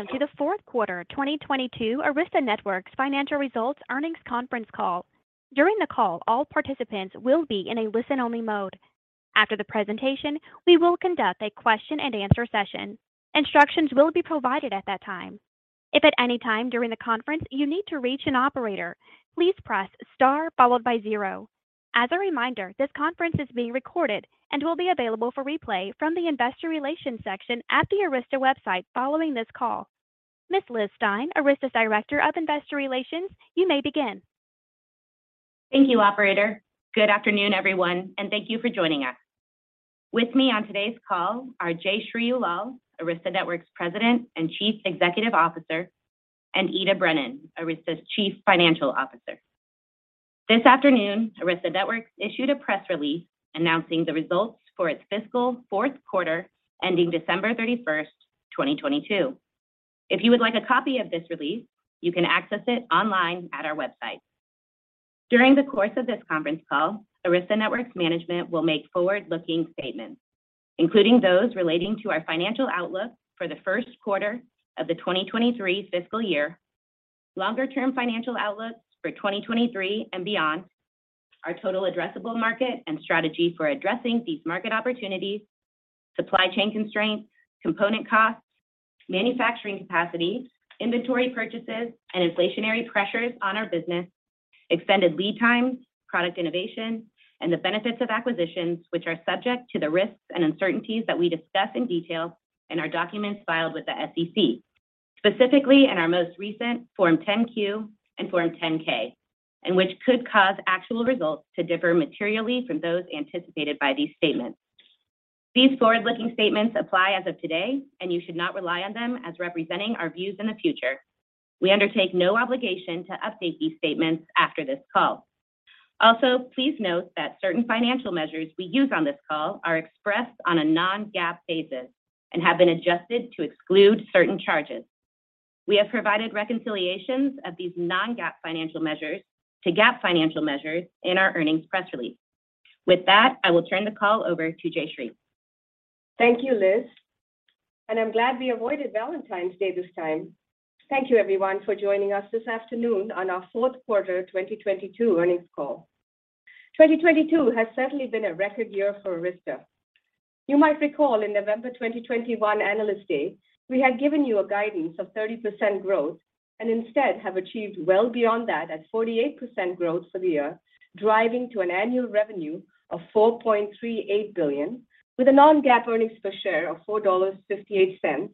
Welcome to the fourth quarter 2022 Arista Networks financial results earnings conference call. During the call, all participants will be in a listen-only mode. After the presentation, we will conduct a question-and-answer session. Instructions will be provided at that time. If at any time during the conference you need to reach an operator, please press star followed by zero. As a reminder, this conference is being recorded and will be available for replay from the investor relations section at the Arista website following this call. Miss Liz Stine, Arista Director of Investor Relations, you may begin. Thank you, operator. Good afternoon, everyone, thank you for joining us. With me on today's call are Jayshree Ullal, Arista Networks President and Chief Executive Officer, and Ita Brennan, Arista's Chief Financial Officer. This afternoon, Arista Networks issued a press release announcing the results for its fiscal fourth quarter ending December 31st, 2022. If you would like a copy of this release, you can access it online at our website. During the course of this conference call, Arista Networks management will make forward-looking statements, including those relating to our financial outlook for the first quarter of the 2023 fiscal year, longer-term financial outlooks for 2023 and beyond, our total addressable market and strategy for addressing these market opportunities, supply chain constraints, component costs, manufacturing capacity, inventory purchases, and inflationary pressures on our business, extended lead times, product innovation, and the benefits of acquisitions, which are subject to the risks and uncertainties that we discuss in detail in our documents filed with the SEC, specifically in our most recent Form 10-Q and Form 10-K, and which could cause actual results to differ materially from those anticipated by these statements. These forward-looking statements apply as of today, and you should not rely on them as representing our views in the future. We undertake no obligation to update these statements after this call. Please note that certain financial measures we use on this call are expressed on a non-GAAP basis and have been adjusted to exclude certain charges. We have provided reconciliations of these non-GAAP financial measures to GAAP financial measures in our earnings press release. With that, I will turn the call over to Jayshree. Thank you, Liz. I'm glad we avoided Valentine's Day this time. Thank you everyone for joining us this afternoon on our fourth quarter 2022 earnings call. 2022 has certainly been a record year for Arista. You might recall in November 2021 Analyst Day, we had given you a guidance of 30% growth and instead have achieved well beyond that at 48% growth for the year, driving to an annual revenue of $4.38 billion with a non-GAAP earnings per share of $4.58,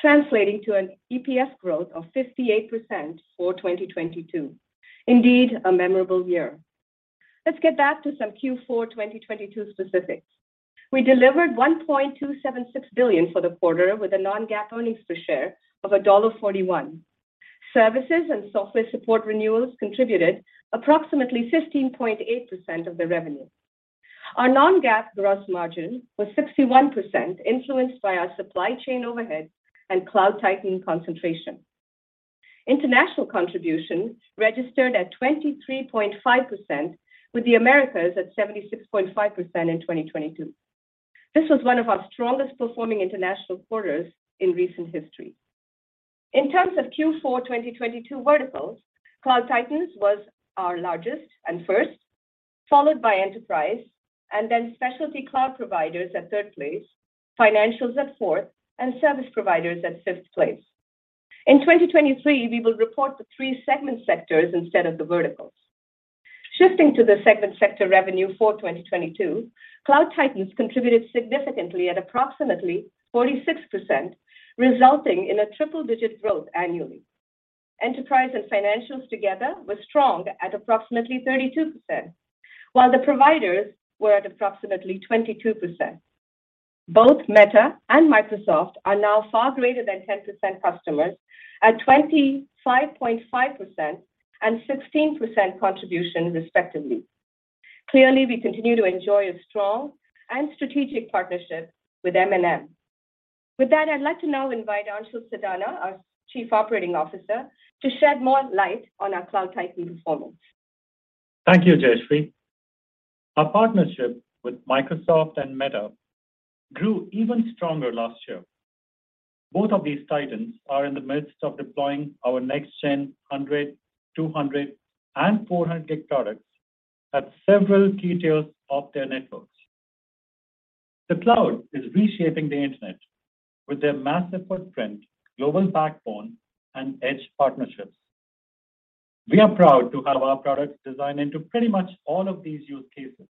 translating to an EPS growth of 58% for 2022. Indeed, a memorable year. Let's get back to some Q4 2022 specifics. We delivered $1.276 billion for the quarter with a non-GAAP earnings per share of $1.41. Services and software support renewals contributed approximately 15.8% of the revenue. Our non-GAAP gross margin was 61% influenced by our supply chain overhead and Cloud Titan concentration. International contributions registered at 23.5% with the Americas at 76.5% in 2022. This was one of our strongest performing international quarters in recent history. In terms of Q4 2022 verticals, Cloud Titans was our largest and first, followed by Enterprise and then specialty cloud providers at third place, Financials at fourth, and Service Providers at fifth place. In 2023, we will report the three segment sectors instead of the verticals. Shifting to the segment sector revenue for 2022, Cloud Titans contributed significantly at approximately 46%, resulting in a triple-digit growth annually. Enterprise and Financials together were strong at approximately 32%, while the providers were at approximately 22%. Both Meta and Microsoft are now far greater than 10% customers at 25.5% and 16% contribution respectively. Clearly, we continue to enjoy a strong and strategic partnership with M&M. With that, I'd like to now invite Anshul Sadana, our Chief Operating Officer, to shed more light on our Cloud Titans performance. Thank you, Jayshree. Our partnership with Microsoft and Meta grew even stronger last year. Both of these Titans are in the midst of deploying our next-gen 100, 200, and 400 gig products at several key tiers of their networks. The cloud is reshaping the Internet with their massive footprint, global backbone, and edge partnerships. We are proud to have our products designed into pretty much all of these use cases.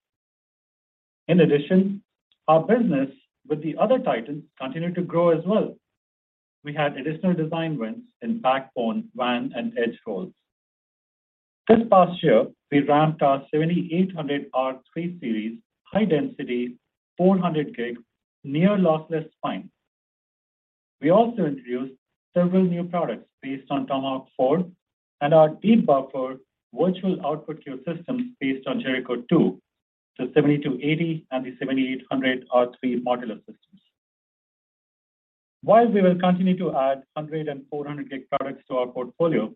Our business with the other Titans continued to grow as well. We had additional design wins in backbone, WAN, and edge roles. This past year, we ramped our 7800R3 Series high-density 400 gig near-lossless spine. We also introduced several new products based on Tomahawk 4 and our deep buffer Virtual Output Queue systems based on Jericho2 to 7280R3 and the 7800R3 modular systems. While we will continue to add 100 gig and 400 gig products to our portfolio,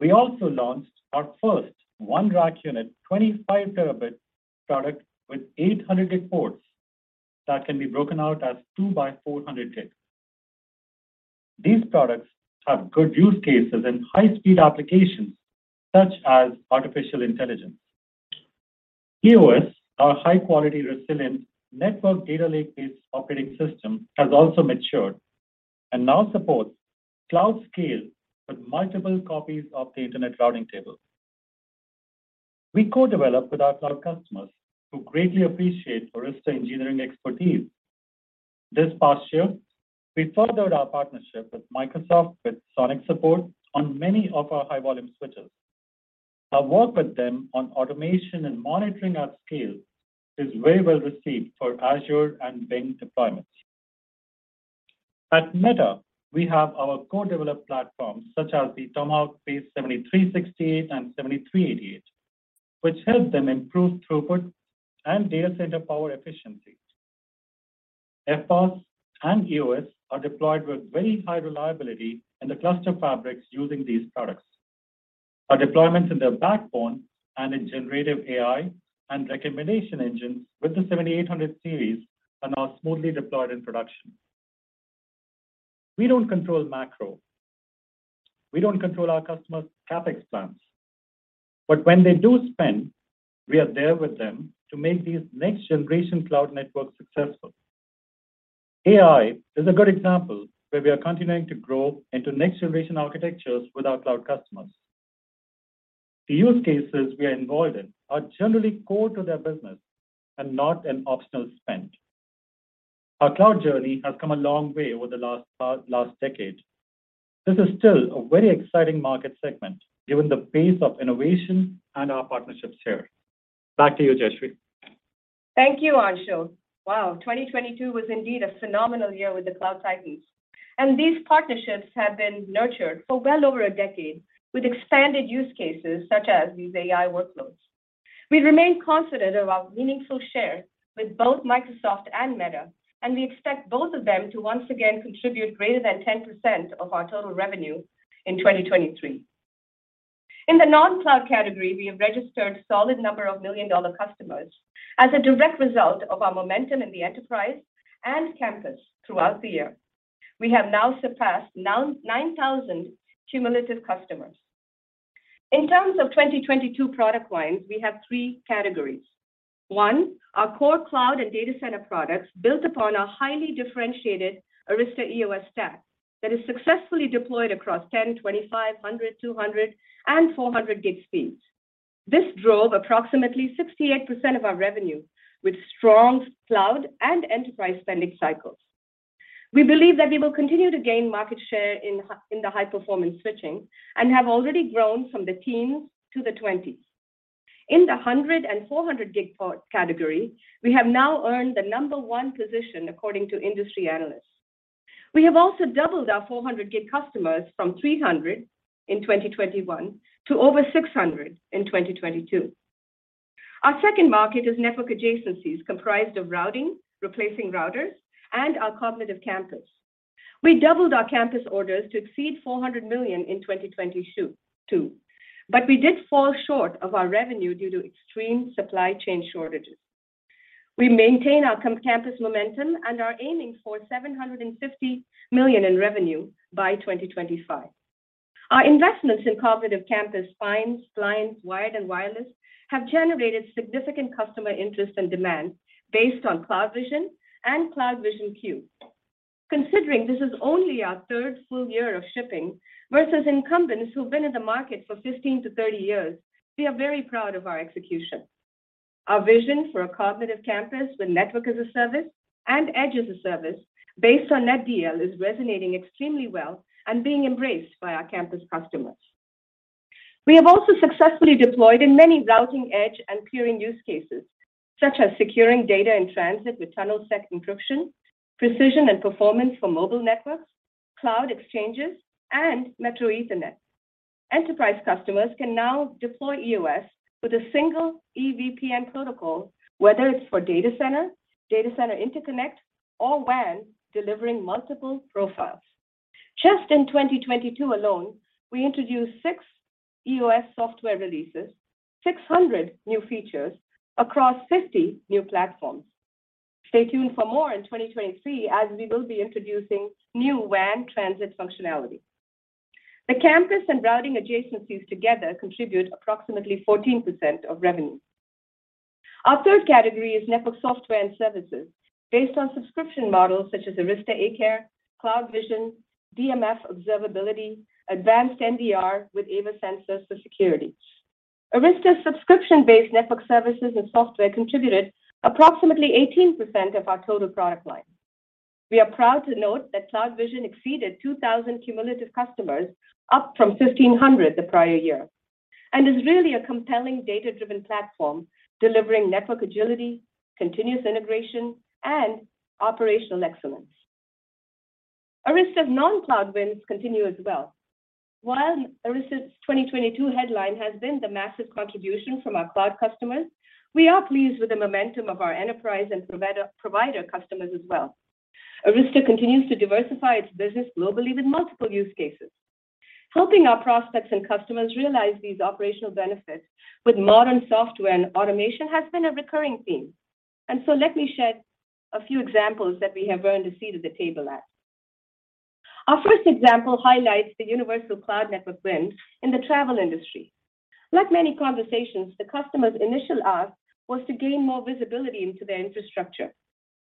we also launched our first one rack unit 25 Tb product with 800 gig ports that can be broken out as two by 400 gig. These products have good use cases in high-speed applications such as artificial intelligence. EOS, our high-quality resilient network data lake-based operating system, has also matured and now supports cloud scale with multiple copies of the Internet routing table. We co-develop with our cloud customers who greatly appreciate Arista engineering expertise. This past year, we furthered our partnership with Microsoft with SONiC support on many of our high-volume switches. Our work with them on automation and monitoring at scale is very well received for Azure and Bing deployments. At Meta, we have our co-developed platforms such as the Tomahawk-based 7368 and 7388, which help them improve throughput and data center power efficiency. FBOSS and EOS are deployed with very high reliability in the cluster fabrics using these products. Our deployments in their backbone and in generative AI and recommendation engines with the 7800 Series are now smoothly deployed in production. We don't control macro. We don't control our customers' CapEx plans. When they do spend, we are there with them to make these next-generation cloud networks successful. AI is a good example where we are continuing to grow into next-generation architectures with our cloud customers. The use cases we are involved in are generally core to their business and not an optional spend. Our cloud journey has come a long way over the last decade. This is still a very exciting market segment given the pace of innovation and our partnerships here. Back to you, Jayshree. Thank you, Anshul. Wow. 2022 was indeed a phenomenal year with the cloud titans, these partnerships have been nurtured for well over a decade with expanded use cases such as these AI workloads. We remain confident of our meaningful share with both Microsoft and Meta, we expect both of them to once again contribute greater than 10% of our total revenue in 2023. In the non-cloud category, we have registered solid number of million-dollar customers as a direct result of our momentum in the enterprise and campus throughout the year. We have now surpassed 9,000 cumulative customers. In terms of 2022 product lines, we have three categories. One, our core cloud and data center products built upon our highly differentiated Arista EOS stack that is successfully deployed a4cross 10, 25, 100, 200, and 400 gig speeds. This drove approximately 68% of our revenue with strong cloud and enterprise spending cycles. We believe that we will continue to gain market share in the high-performance switching and have already grown from the teens to the 20s. In the 100 and 400 gig port category, we have now earned the number one position according to industry analysts. We have also doubled our 400 gig customers from 300 in 2021 to over 600 in 2022. Our second market is network adjacencies comprised of routing, replacing routers, and our cognitive campus. We doubled our campus orders to exceed $400 million in 2022. We did fall short of our revenue due to extreme supply chain shortages. We maintain our campus momentum and are aiming for $750 million in revenue by 2025. Our investments in cognitive campus spines, lines, wired and wireless have generated significant customer interest and demand based on CloudVision and CloudVision CUE. Considering this is only our third full year of shipping versus incumbents who've been in the market for 15 to 30 years, we are very proud of our execution. Our vision for a cognitive campus with network as a service and edge as a service based on NetDL is resonating extremely well and being embraced by our campus customers. We have also successfully deployed in many routing, edge, and peering use cases such as securing data in transit with TunnelSec encryption, precision and performance for mobile networks, cloud exchanges, and metro Ethernet. Enterprise customers can now deploy EOS with a single EVPN protocol, whether it's for data center, data center interconnect, or WAN delivering multiple profiles. Just in 2022 alone, we introduced six EOS software releases, 600 new features across 50 new platforms. Stay tuned for more in 2023 as we will be introducing new WAN transit functionality. The campus and routing adjacencies together contribute approximately 14% of revenue. Our third category is network software and services based on subscription models such as Arista A-Care, CloudVision, DMF Observability, Advanced NDR with AVA Sensors for security. Arista subscription-based network services and software contributed approximately 18% of our total product line. We are proud to note that CloudVision exceeded 2,000 cumulative customers, up from 1,500 the prior year, and is really a compelling data-driven platform delivering network agility, continuous integration, and operational excellence. Arista's non-cloud wins continue as well. While Arista's 2022 headline has been the massive contribution from our cloud customers, we are pleased with the momentum of our enterprise and provider customers as well. Arista continues to diversify its business globally with multiple use cases. Helping our prospects and customers realize these operational benefits with modern software and automation has been a recurring theme. Let me share a few examples that we have earned a seat at the table at. Our first example highlights the universal cloud network win in the travel industry. Like many conversations, the customer's initial ask was to gain more visibility into their infrastructure.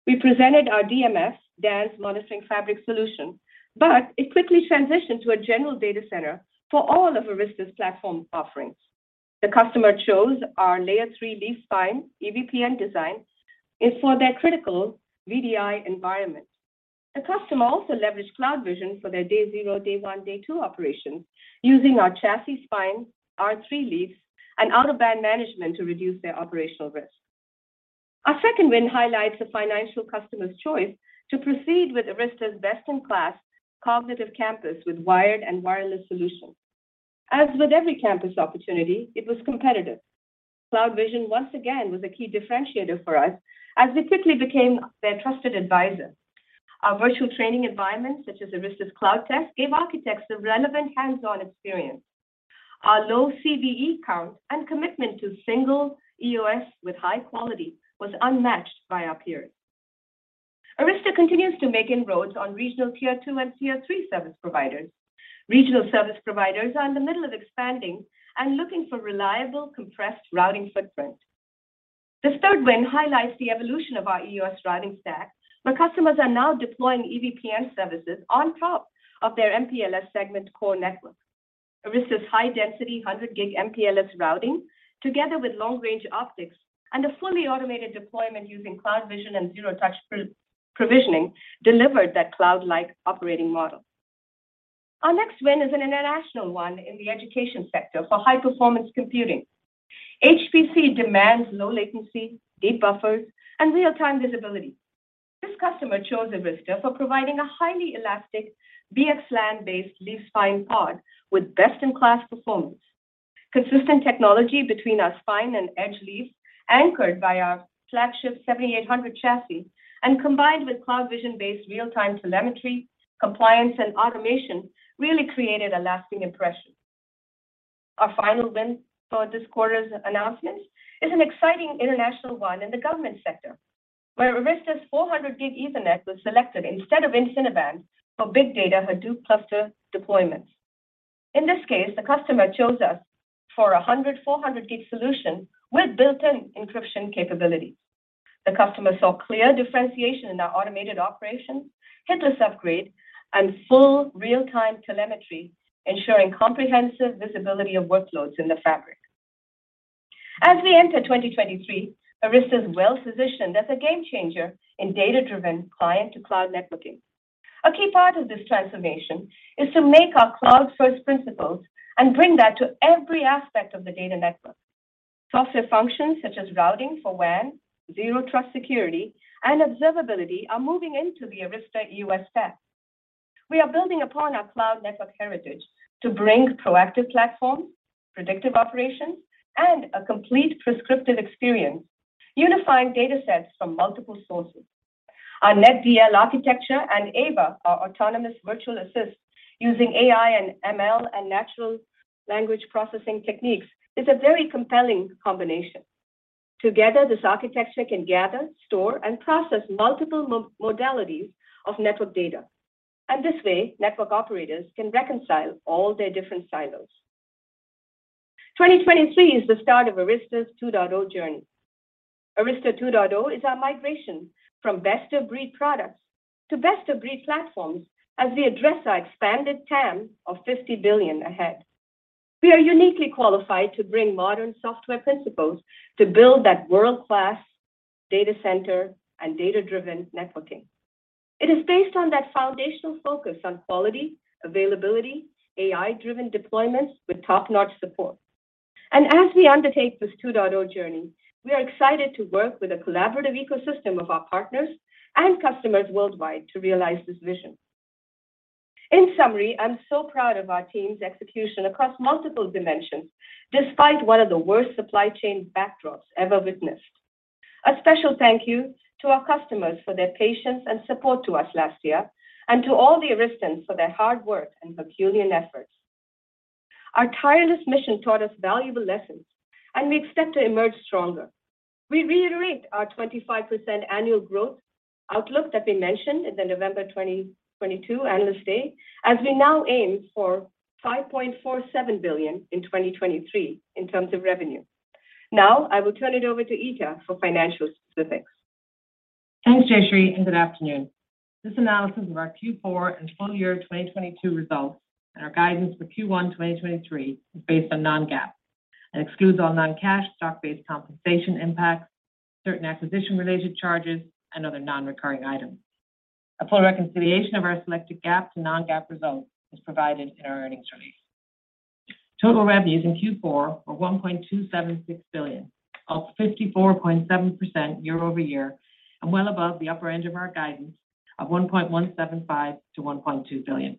We presented our DMF, DANZ Monitoring Fabric solution, but it quickly transitioned to a general data center for all of Arista's platform offerings. The customer chose our layer three leaf-spine EVPN design and for their critical VDI environment. The customer also leveraged CloudVision for their day zero, day one, day two operations using our chassis spine, R3 Leafs, and out-of-band management to reduce their operational risk. Our second win highlights a financial customer's choice to proceed with Arista's best-in-class cognitive campus with wired and wireless solutions. As with every campus opportunity, it was competitive. CloudVision, once again, was a key differentiator for us as we quickly became their trusted advisor. Our virtual training environment, such as Arista's CloudTest, gave architects the relevant hands-on experience. Our low CVE count and commitment to single EOS with high quality was unmatched by our peers. Arista continues to make inroads on regional tier two and tier three service providers. Regional service providers are in the middle of expanding and looking for reliable, compressed routing footprint. This third win highlights the evolution of our Arista EOS routing stack, where customers are now deploying EVPN services on top of their MPLS segment core network. Arista's high-density 100 gig MPLS routing, together with long-range optics and a fully automated deployment using CloudVision and zero-touch pro-provisioning, delivered that cloud-like operating model. Our next win is an international one in the education sector for high-performance computing. HPC demands low latency, deep buffers, and real-time visibility. This customer chose Arista for providing a highly elastic VXLAN-based leaf-spine pod with best-in-class performance. Consistent technology between our spine and edge leaf, anchored by our flagship 7800 chassis and combined with CloudVision-based real-time telemetry, compliance, and automation really created a lasting impression. Our final win for this quarter's announcements is an exciting international one in the government sector, where Arista's 400 gig Ethernet was selected instead of InfiniBand for big data Hadoop cluster deployments. In this case, the customer chose us for a 100 400 gig solution with built-in encryption capability. The customer saw clear differentiation in our automated operations, hitless upgrade, and full real-time telemetry, ensuring comprehensive visibility of workloads in the fabric. As we enter 2023, Arista is well-positioned as a game changer in data-driven client-to-cloud networking. A key part of this transformation is to make our cloud-first principles and bring that to every aspect of the data network. Software functions such as routing for WAN, zero-trust security, and observability are moving into the Arista EOS stack. We are building upon our cloud network heritage to bring proactive platforms, predictive operations, and a complete prescriptive experience, unifying data sets from multiple sources. Our NetDL architecture and AVA, our autonomous virtual assist using AI and ML and natural language processing techniques, is a very compelling combination. Together, this architecture can gather, store, and process multiple modalities of network data. This way, network operators can reconcile all their different silos. 2023 is the start of Arista's 2.0 journey. Arista 2.0 is our migration from best-of-breed products to best-of-breed platforms as we address our expanded TAM of $50 billion ahead. We are uniquely qualified to bring modern software principles to build that world-class data center and data-driven networking. It is based on that foundational focus on quality, availability, AI-driven deployments with top-notch support. As we undertake this 2.0 journey, we are excited to work with a collaborative ecosystem of our partners and customers worldwide to realize this vision. In summary, I'm so proud of our team's execution across multiple dimensions despite one of the worst supply chain backdrops ever witnessed. A special thank you to our customers for their patience and support to us last year and to all the Aristans for their hard work and Herculean efforts. Our tireless mission taught us valuable lessons, and we expect to emerge stronger. We reiterate our 25% annual growth outlook that we mentioned in the November 2022 Analyst Day as we now aim for $5.47 billion in 2023 in terms of revenue. Now, I will turn it over to Ita for financial specifics. Thanks, Jayshree, and good afternoon. This analysis of our Q4 and full year 2022 results and our guidance for Q1 2023 is based on non-GAAP and excludes all non-cash stock-based compensation impacts, certain acquisition-related charges, and other non-recurring items. A full reconciliation of our selected GAAP to non-GAAP results is provided in our earnings release. Total revenues in Q4 were $1.276 billion, up 54.7% year-over-year and well above the upper end of our guidance of $1.175 billion-$1.2 billion.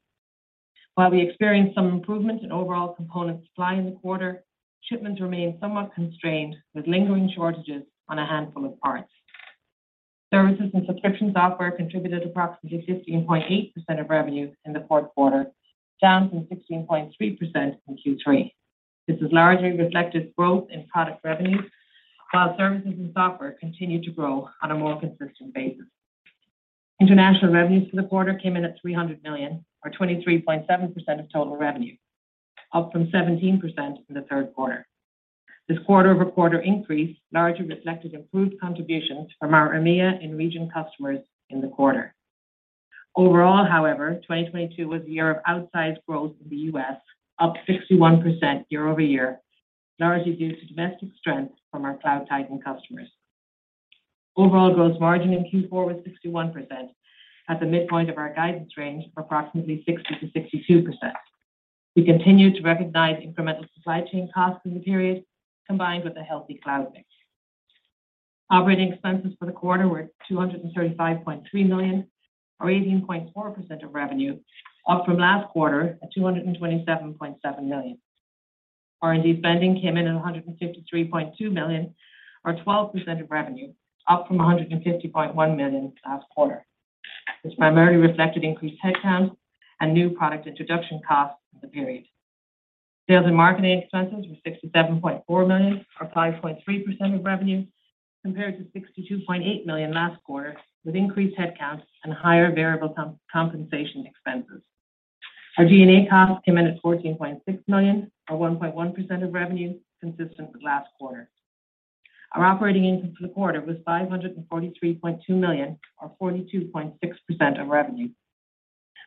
While we experienced some improvement in overall component supply in the quarter, shipments remained somewhat constrained with lingering shortages on a handful of parts. Services and subscriptions software contributed approximately 15.8% of revenue in the fourth quarter, down from 16.3% in Q3. This has largely reflected growth in product revenue, while services and software continued to grow on a more consistent basis. International revenues for the quarter came in at $300 million or 23.7% of total revenue, up from 17% in the third quarter. This quarter-over-quarter increase largely reflected improved contributions from our EMEA in-region customers in the quarter. However, 2022 was a year of outsized growth in the U.S., up 61% year-over-year, largely due to domestic strength from our cloud titan customers. Gross margin in Q4 was 61% at the midpoint of our guidance range of approximately 60%-62%. We continue to recognize incremental supply chain costs in the period, combined with a healthy cloud mix. Operating expenses for the quarter were $235.3 million, or 18.4% of revenue, up from last quarter at $227.7 million. R&D spending came in at $153.2 million or 12% of revenue, up from $150.1 million last quarter. This primarily reflected increased headcount and new product introduction costs in the period. Sales and marketing expenses were $67.4 million or 5.3% of revenue, compared to $62.8 million last quarter, with increased headcounts and higher variable compensation expenses. Our G&A costs came in at $14.6 million or 1.1% of revenue, consistent with last quarter. Our operating income for the quarter was $543.2 million or 42.6% of revenue.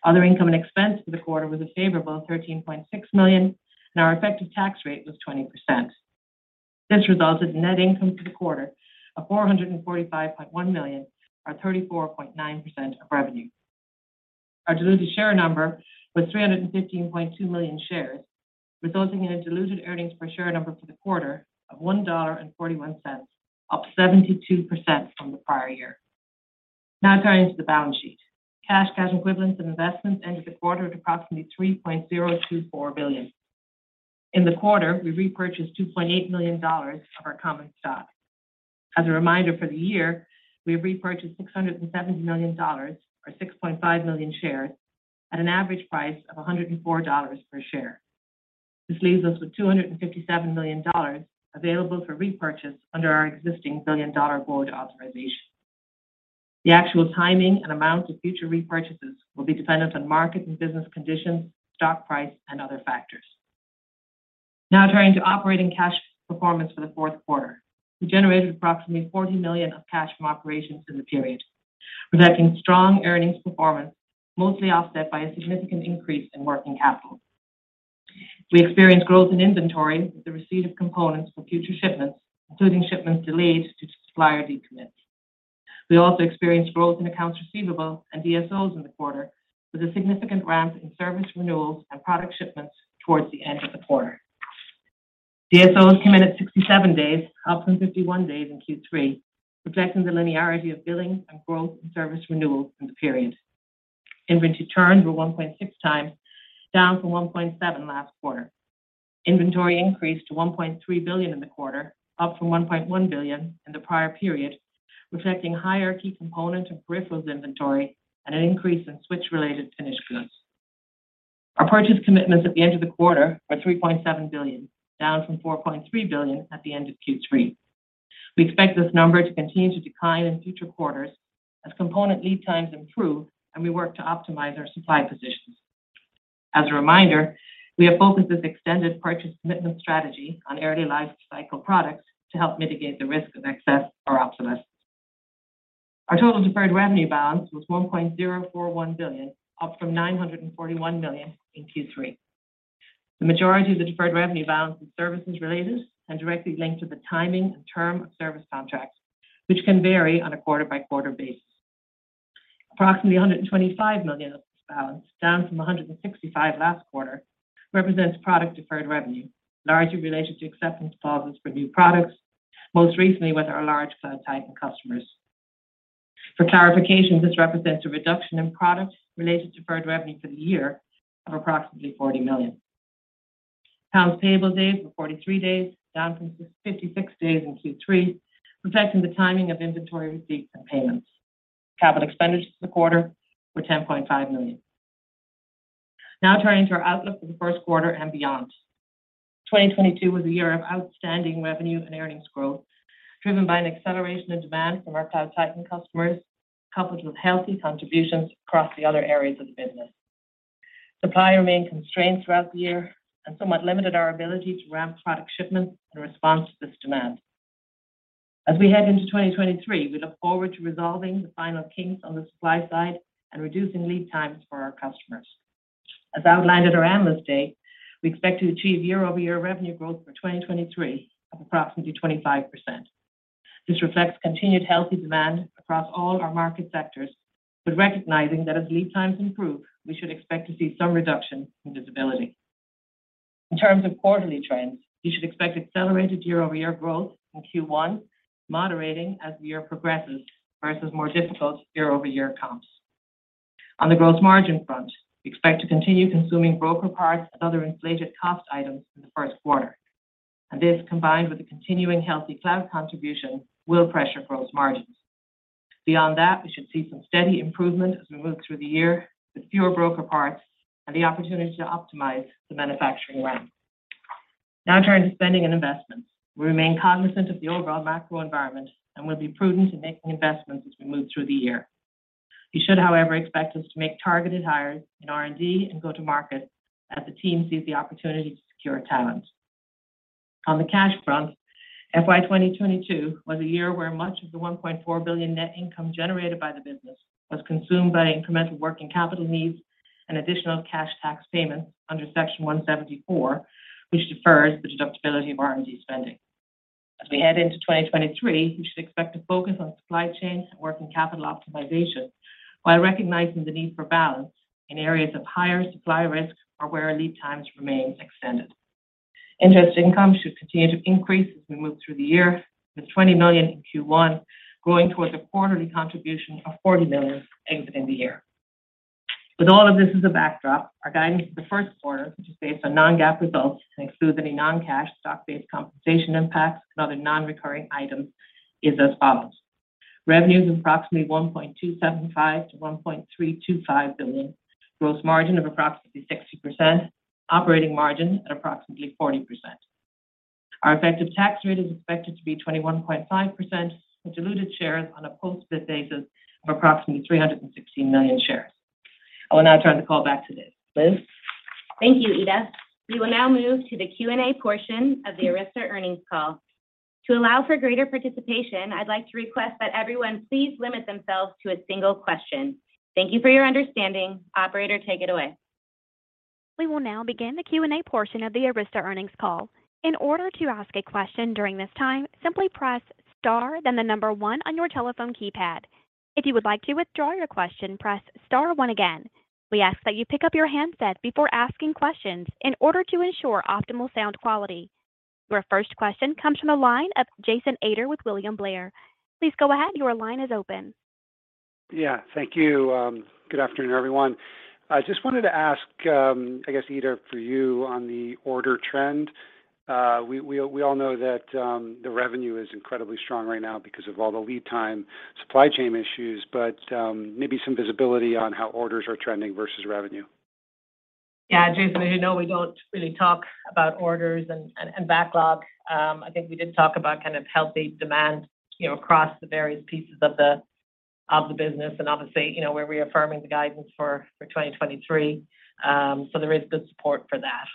Other income and expense for the quarter was a favorable $13.6 million, and our effective tax rate was 20%. This resulted in net income for the quarter of $445.1 million or 34.9% of revenue. Our diluted share number was 315.2 million shares, resulting in a diluted earnings per share number for the quarter of $1.41, up 72% from the prior year. Now turning to the balance sheet. Cash, cash equivalents, and investments ended the quarter at approximately $3.024 billion. In the quarter, we repurchased $2.8 million of our common stock. As a reminder, for the year, we have repurchased $670 million or 6.5 million shares at an average price of $104 per share. This leaves us with $257 million available for repurchase under our existing billion-dollar board authorization. The actual timing and amount of future repurchases will be dependent on market and business conditions, stock price, and other factors. Now turning to operating cash performance for the fourth quarter. We generated approximately $40 million of cash from operations for the period, reflecting strong earnings performance, mostly offset by a significant increase in working capital. We experienced growth in inventory with the receipt of components for future shipments, including shipments delayed due to supplier decommits. We also experienced growth in accounts receivable and DSOs in the quarter, with a significant ramp in service renewals and product shipments towards the end of the quarter. DSOs came in at 67 days, up from 51 days in Q3, reflecting the linearity of billing and growth in service renewals in the period. Inventory turns were 1.6x, down from 1.7 last quarter. Inventory increased to $1.3 billion in the quarter, up from $1.1 billion in the prior period, reflecting higher key component and peripherals inventory and an increase in switch-related finished goods. Our purchase commitments at the end of the quarter are $3.7 billion, down from $4.3 billion at the end of Q3. We expect this number to continue to decline in future quarters as component lead times improve and we work to optimize our supply positions. As a reminder, we have focused this extended purchase commitment strategy on early lifecycle products to help mitigate the risk of excess or obsolescence. Our total deferred revenue balance was $1.041 billion, up from $941 million in Q3. The majority of the deferred revenue balance is services related and directly linked to the timing and term of service contracts, which can vary on a quarter-by-quarter basis. Approximately $125 million of this balance, down from $165 million last quarter, represents product deferred revenue, largely related to acceptance clauses for new products, most recently with our large cloud titan customers. For clarification, this represents a reduction in products related to deferred revenue for the year of approximately $40 million. Accounts payable days were 43 days, down from 56 days in Q3, reflecting the timing of inventory receipts and payments. Capital expenditures for the quarter were $10.5 million. Turning to our outlook for the first quarter and beyond. 2022 was a year of outstanding revenue and earnings growth, driven by an acceleration in demand from our cloud titan customers, coupled with healthy contributions across the other areas of the business. Supply remained constrained throughout the year and somewhat limited our ability to ramp product shipments in response to this demand. As we head into 2023, we look forward to resolving the final kinks on the supply side and reducing lead times for our customers. As outlined at our Analyst Day, we expect to achieve year-over-year revenue growth for 2023 of approximately 25%. This reflects continued healthy demand across all our market sectors, but recognizing that as lead times improve, we should expect to see some reduction in visibility. In terms of quarterly trends, you should expect accelerated year-over-year growth in Q1, moderating as the year progresses versus more difficult year-over-year comps. On the gross margin front, we expect to continue consuming broker parts and other inflated cost items in the first quarter. This, combined with the continuing healthy cloud contribution, will pressure gross margins. Beyond that, we should see some steady improvement as we move through the year with fewer broker parts and the opportunity to optimize the manufacturing run. Turning to spending and investments. We remain cognizant of the overall macro environment and will be prudent in making investments as we move through the year. You should, however, expect us to make targeted hires in R&D and go to market as the team sees the opportunity to secure talent. On the cash front, FY 2022 was a year where much of the $1.4 billion net income generated by the business was consumed by incremental working capital needs and additional cash tax payments under Section 174, which defers the deductibility of R&D spending. As we head into 2023, you should expect to focus on supply chains and working capital optimization while recognizing the need for balance in areas of higher supply risks or where lead times remain extended. Interest income should continue to increase as we move through the year, with $20 million in Q1 growing towards a quarterly contribution of $40 million exiting the year. With all of this as a backdrop, our guidance for the first quarter, which is based on non-GAAP results and excludes any non-cash stock-based compensation impacts and other non-recurring items, is as follows. Revenues approximately $1.275 billion-$1.325 billion. Gross margin of approximately 60%. Operating margin at approximately 40%. Our effective tax rate is expected to be 21.5%, with diluted shares on a post-split basis of approximately 316 million shares. I will now turn the call back to Liz. Thank you, Ita. We will now move to the Q&A portion of the Arista earnings call. To allow for greater participation, I'd like to request that everyone please limit themselves to a single question. Thank you for your understanding. Operator, take it away. We will now begin the Q&A portion of the Arista earnings call. In order to ask a question during this time, simply press star then the number one on your telephone keypad. If you would like to withdraw your question, press star one again. We ask that you pick up your handset before asking questions in order to ensure optimal sound quality. Your first question comes from the line of Jason Ader with William Blair. Please go ahead, your line is open. Yeah, thank you. Good afternoon, everyone. I just wanted to ask, I guess, Ita, for you on the order trend. We all know that the revenue is incredibly strong right now because of all the lead time supply chain issues, but maybe some visibility on how orders are trending versus revenue. Yeah, Jason, as you know, we don't really talk about orders and backlog. I think we did talk about kind of healthy demand, you know, across the various pieces of the business, obviously, you know, we're reaffirming the guidance for 2023. There is good support for that.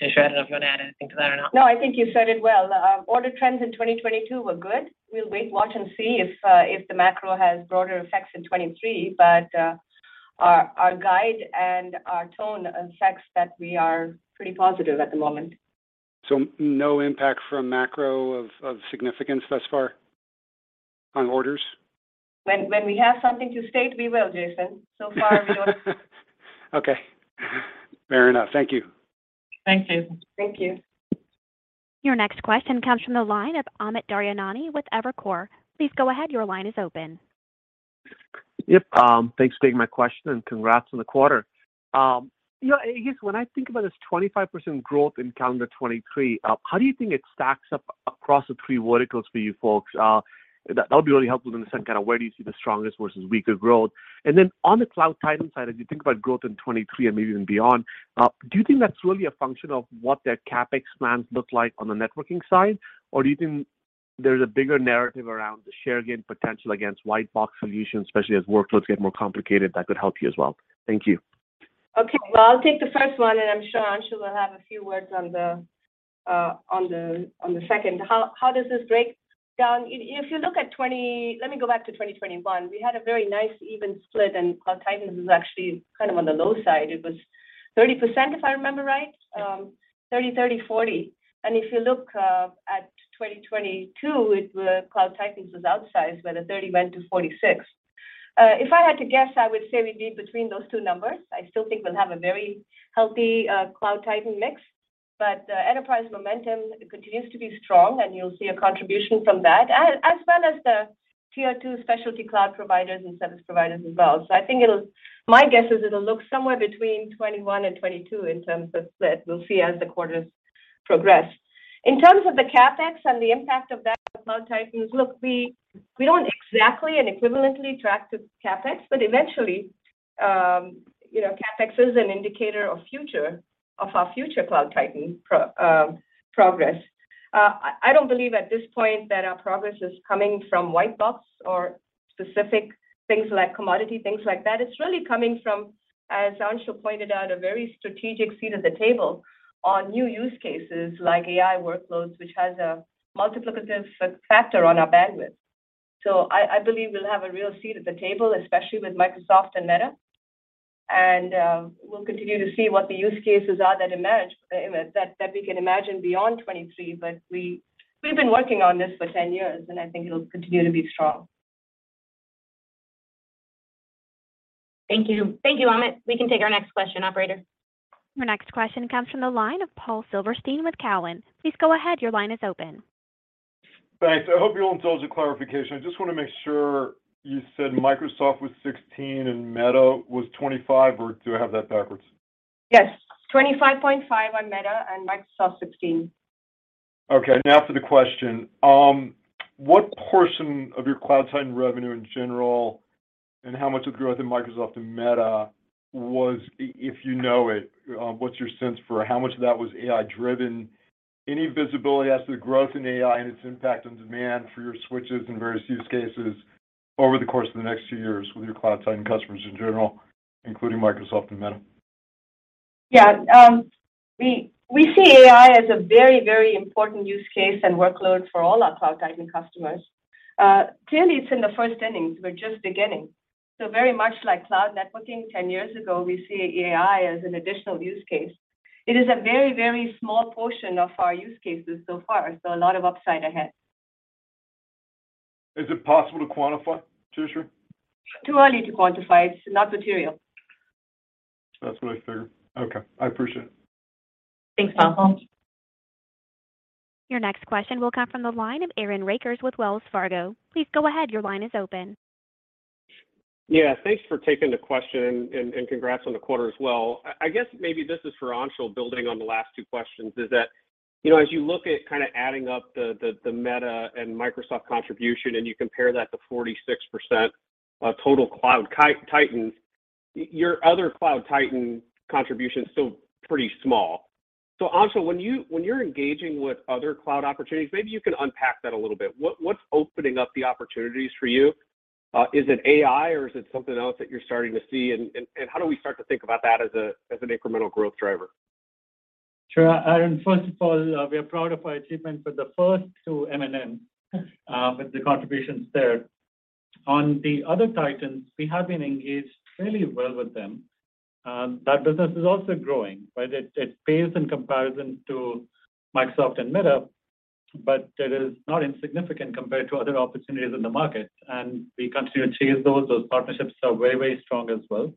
Jayshree, I don't know if you want to add anything to that or not. No, I think you said it well. Order trends in 2022 were good. We'll wait, watch, and see if the macro has broader effects in 2023. Our guide and our tone reflects that we are pretty positive at the moment. No impact from macro of significance thus far on orders? When we have something to state, we will, Jason. Okay. Fair enough. Thank you. Thanks, Jason. Thank you. Your next question comes from the line of Amit Daryanani with Evercore. Please go ahead, your line is open. Yep. Thanks for taking my question, and congrats on the quarter. You know, I guess when I think about this 25% growth in calendar 2023, how do you think it stacks up across the three verticals for you folks? That would be really helpful to understand kind of where do you see the strongest versus weaker growth. Then on the cloud titan side, as you think about growth in 2023 and maybe even beyond, do you think that's really a function of what their CapEx plans look like on the networking side? Do you think there's a bigger narrative around the share gain potential against white box solutions, especially as workloads get more complicated, that could help you as well? Thank you. Okay. Well, I'll take the first one, and I'm sure Anshul will have a few words on the second. How does this break down? If you look at 20... Let me go back to 2021. We had a very nice even split, Cloud Titans was actually kind of on the low side. It was 30%, if I remember right. 30%, 40%. If you look at 2022, Cloud Titans was outsized, where the 30% went to 46%. If I had to guess, I would say we'd be between those two numbers. I still think we'll have a very healthy Cloud Titan mix. Enterprise momentum continues to be strong, and you'll see a contribution from that, as well as the tier two specialty cloud providers and service providers as well. My guess is it'll look somewhere between 2021 and 2022 in terms of split. We'll see as the quarters progress. In terms of the CapEx and the impact of that on Cloud Titans, look, we don't exactly and equivalently track to CapEx, but eventually, you know, CapEx is an indicator of our future Cloud Titan progress. I don't believe at this point that our progress is coming from white box or specific things like commodity, things like that. It's really coming from, as Anshul pointed out, a very strategic seat at the table on new use cases like AI workloads, which has a multiplicative factor on our bandwidth. I believe we'll have a real seat at the table, especially with Microsoft and Meta. We'll continue to see what the use cases are that emerge that we can imagine beyond 2023. We've been working on this for 10 years, and I think it'll continue to be strong. Thank you. Thank you, Amit. We can take our next question, operator. Your next question comes from the line of Paul Silverstein with Cowen. Please go ahead, your line is open. Thanks. I hope you'll indulge a clarification. I just want to make sure you said Microsoft was 16 and Meta was 25, or do I have that backwards? Yes. 25.5 on Meta and Microsoft 16. Okay. Now for the question. What portion of your cloud titan revenue in general and how much of the growth in Microsoft and Meta was, if you know it, what's your sense for how much of that was AI driven? Any visibility as to the growth in AI and its impact on demand for your switches in various use cases over the course of the next two years with your cloud titan customers in general, including Microsoft and Meta? We see AI as a very, very important use case and workload for all our cloud titan customers. Clearly it's in the first innings. We're just beginning. Very much like cloud networking 10 years ago, we see AI as an additional use case. It is a very, very small portion of our use cases so far. A lot of upside ahead. Is it possible to quantify, Jayshree? Too early to quantify. It's not material. That's what I figured. Okay. I appreciate it. Thanks, Paul. Your next question will come from the line of Aaron Rakers with Wells Fargo. Please go ahead. Your line is open. Yeah. Thanks for taking the question and congrats on the quarter as well. I guess maybe this is for Anshul building on the last two questions is that, you know, as you look at kinda adding up the Meta and Microsoft contribution, and you compare that to 46%, total cloud titan, your other cloud titan contribution is still pretty small. Anshul, when you're engaging with other cloud opportunities, maybe you can unpack that a little bit. What, what's opening up the opportunities for you? Is it AI, or is it something else that you're starting to see? How do we start to think about that as an incremental growth driver? Sure, Aaron. First of all, we are proud of our achievement for the first two M&M, with the contributions there. On the other Titans, we have been engaged fairly well with them. That business is also growing. It pales in comparison to Microsoft and Meta, but it is not insignificant compared to other opportunities in the market, and we continue to chase those. Those partnerships are very, very strong as well.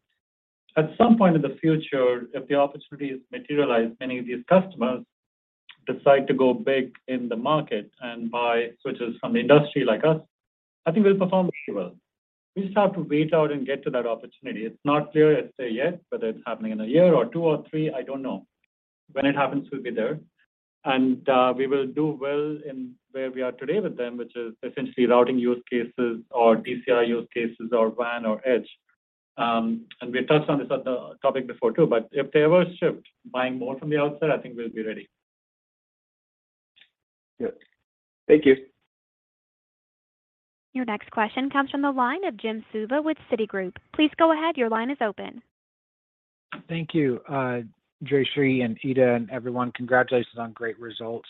At some point in the future, if the opportunity are materialized, many of these customers decide to go big in the market and buy switches from the industry like us, I think we'll perform very well. We just have to wait out and get to that opportunity. It's not clear, I'd say, yet, whether it's happening in a year or two or three. I don't know. When it happens, we'll be there. We will do well in where we are today with them, which is essentially routing use cases or DCI use cases or WAN or Edge. We touched on this other topic before too, but if they ever shift buying more from the outside, I think we'll be ready. Good. Thank you. Your next question comes from the line of Jim Suva with Citigroup. Please go ahead. Your line is open. Thank you, Jayshree and Ita and everyone. Congratulations on great results.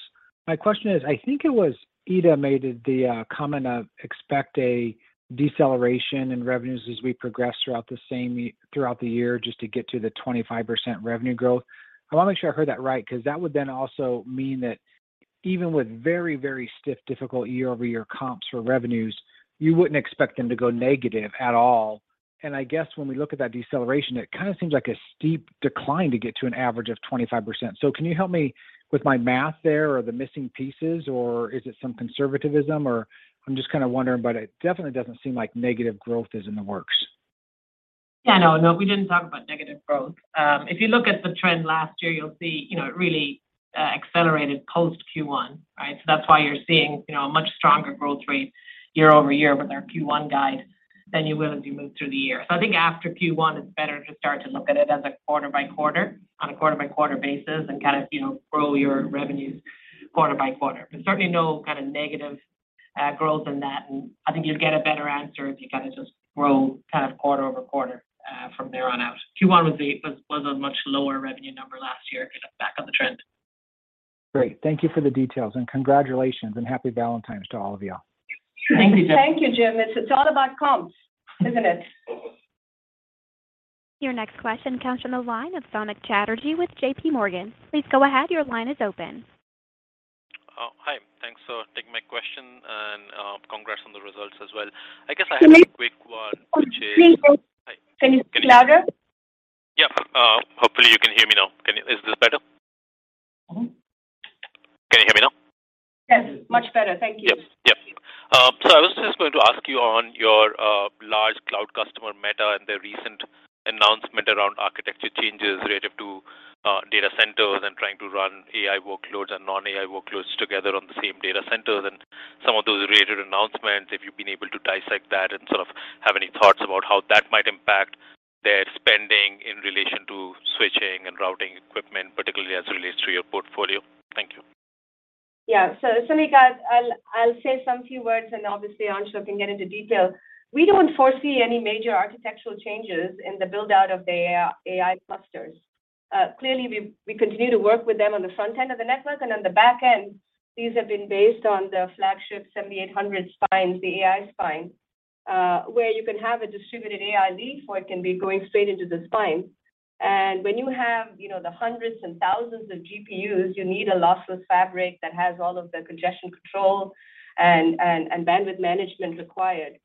My question is, I think it was Ita made it the comment of expect a deceleration in revenues as we progress throughout the year just to get to the 25% revenue growth. I wanna make sure I heard that right 'cause that would then also mean that even with very, very stiff difficult year-over-year comps for revenues, you wouldn't expect them to go negative at all. I guess when we look at that deceleration, it kinda seems like a steep decline to get to an average of 25%. Can you help me with my math there or the missing pieces, or is it some conservativism or... I'm just kinda wondering, but it definitely doesn't seem like negative growth is in the works. Yeah. No, no. We didn't talk about negative growth. If you look at the trend last year, you'll see, you know, it really accelerated post Q1, right? That's why you're seeing, you know, a much stronger growth rate year-over-year with our Q1 guide than you will as you move through the year. I think after Q1, it's better to start to look at it as a quarter-by-quarter, on a quarter-by-quarter basis and kind of, you know, grow your revenues quarter by quarter. There's certainly no kind of negative growth in that, and I think you'd get a better answer if you kind of just grow kind of quarter-over-quarter from there on out. Q1 was a much lower revenue number last year, kind of back on the trend. Great. Thank you for the details, and congratulations, and Happy Valentine's to all of y'all. Thank you, Jim. Thank you, Jim. It's all about comps, isn't it? Your next question comes from the line of Samik Chatterjee with JPMorgan. Please go ahead. Your line is open. Oh, hi. Thanks for taking my question and congrats on the results as well. I guess I have a quick one which is- Samik, louder. Yeah. Hopefully, you can hear me now. Is this better? Mm-hmm. Can you hear me now? Yes. Much better. Thank you. Yep. Yep. I was just going to ask you on your large cloud customer Meta and the recent announcement around architecture changes relative to data centers and trying to run AI workloads and non-AI workloads together on the same data centers and some of those related announcements. If you've been able to dissect that and sort of have any thoughts about how that might impact their spending in relation to switching and routing equipment, particularly as it relates to your portfolio. Thank you. Yeah. Samik, I'll say some few words, and obviously, Anshul can get into detail. We don't foresee any major architectural changes in the build-out of the AI clusters. Clearly, we continue to work with them on the front end of the network, and on the back end, these have been based on the flagship 7800 spines, the AI spine, where you can have a distributed AI leaf, or it can be going straight into the spine. When you have, you know, the hundreds and thousands of GPUs, you need a lossless fabric that has all of the congestion control and bandwidth management required.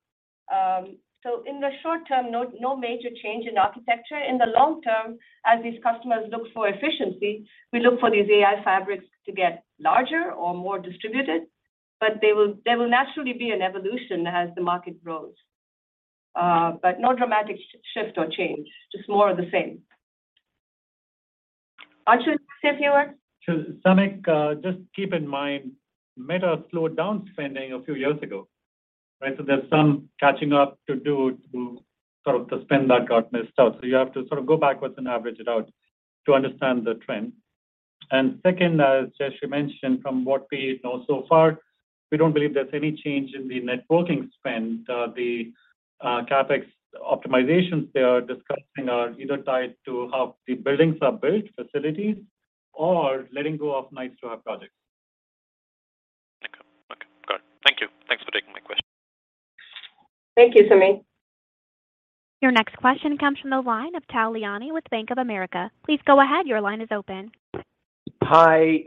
In the short term, no major change in architecture. In the long term, as these customers look for efficiency, we look for these AI fabrics to get larger or more distributed, but they will naturally be an evolution as the market grows. No dramatic shift or change, just more of the same. Anshul, say a few words. Samik, just keep in mind, Meta slowed down spending a few years ago, right? There's some catching up to do to sort of spend that got missed out. You have to sort of go backwards and average it out to understand the trend. Second, as Jayshree mentioned, from what we know so far, we don't believe there's any change in the networking spend. The CapEx optimizations they are discussing are either tied to how the buildings are built, facilities, or letting go of nice to have projects. Okay, got it. Thank you. Thanks for taking my question. Thank you, Samik. Your next question comes from the line of Tal Liani with Bank of America. Please go ahead, your line is open. Hi.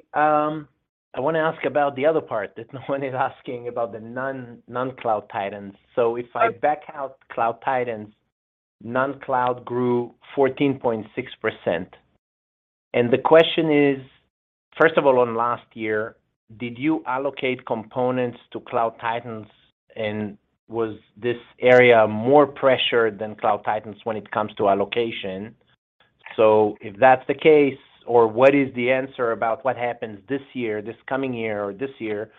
I wanna ask about the other part that no one is asking about the non-non-cloud titans. If I back out cloud titans, non-cloud grew 14.6%. The question is, first of all, on last year, did you allocate components to cloud titans? Was this area more pressured than cloud titans when it comes to allocation? If that's the case or what is the answer about what happens this year, this coming year or this year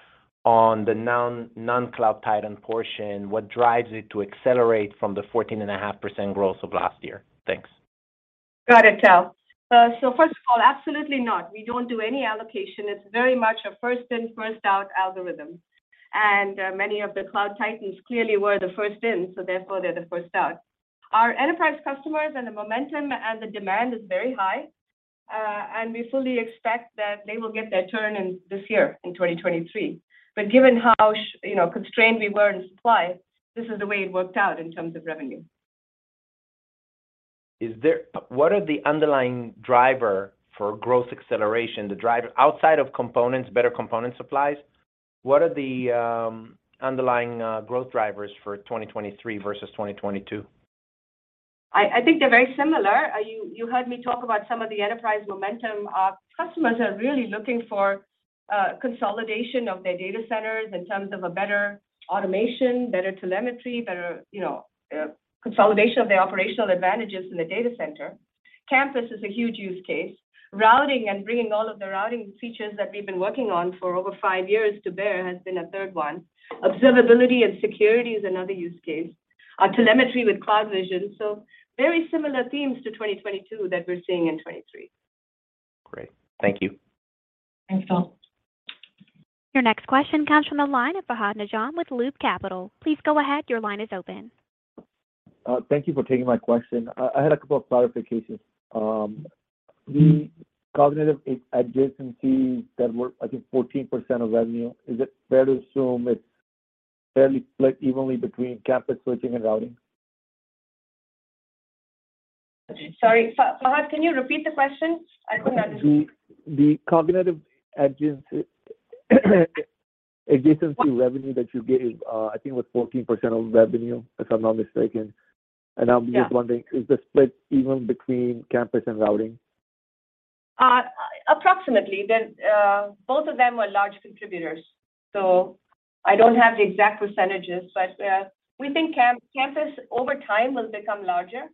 on the non-non-cloud titan portion, what drives it to accelerate from the 14.5% growth of last year? Thanks. Got it, Tal. First of all, absolutely not. We don't do any allocation. It's very much a first in, first out algorithm. Many of the cloud titans clearly were the first in, so therefore they're the first out. Our enterprise customers and the momentum and the demand is very high, and we fully expect that they will get their turn in this year, in 2023. Given how you know, constrained we were in supply, this is the way it worked out in terms of revenue. What are the underlying driver for growth acceleration, Outside of components, better component supplies, what are the underlying growth drivers for 2023 versus 2022? I think they're very similar. You, you heard me talk about some of the enterprise momentum. Our customers are really looking for, consolidation of their data centers in terms of a better automation, better telemetry, better, you know, consolidation of the operational advantages in the data center. Campus is a huge use case. Routing and bringing all of the routing features that we've been working on for over five years to bear has been a third one. Observability and security is another use case. Our telemetry with CloudVision. Very similar themes to 2022 that we're seeing in 2023. Great. Thank you. Thanks, Tal. Your next question comes from the line of Fahad Najam with Loop Capital. Please go ahead, your line is open. Thank you for taking my question. I had a couple of clarifications. The cognitive adjacencies that were, I think 14% of revenue, is it fair to assume it's fairly split evenly between campus switching and routing? Sorry. Fahad, can you repeat the question? I didn't get it. The cognitive adjacency revenue that you gave, I think was 14% of revenue, if I'm not mistaken. Yeah. I'm just wondering, is the split even between campus and routing? Approximately. Then, both of them were large contributors. I don't have the exact percentages, but, we think campus over time will become larger.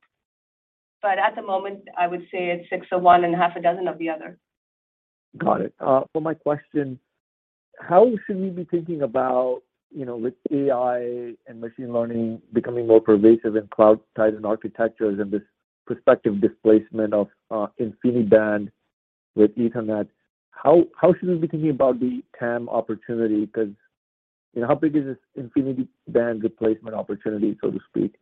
At the moment, I would say it's six of one and half a dozen of the other. Got it. For my question, how should we be thinking about, you know, with AI and machine learning becoming more pervasive in cloud titan architectures and this prospective displacement of InfiniBand with Ethernet, how should we be thinking about the TAM opportunity? 'Cause, you know, how big is this InfiniBand replacement opportunity, so to speak?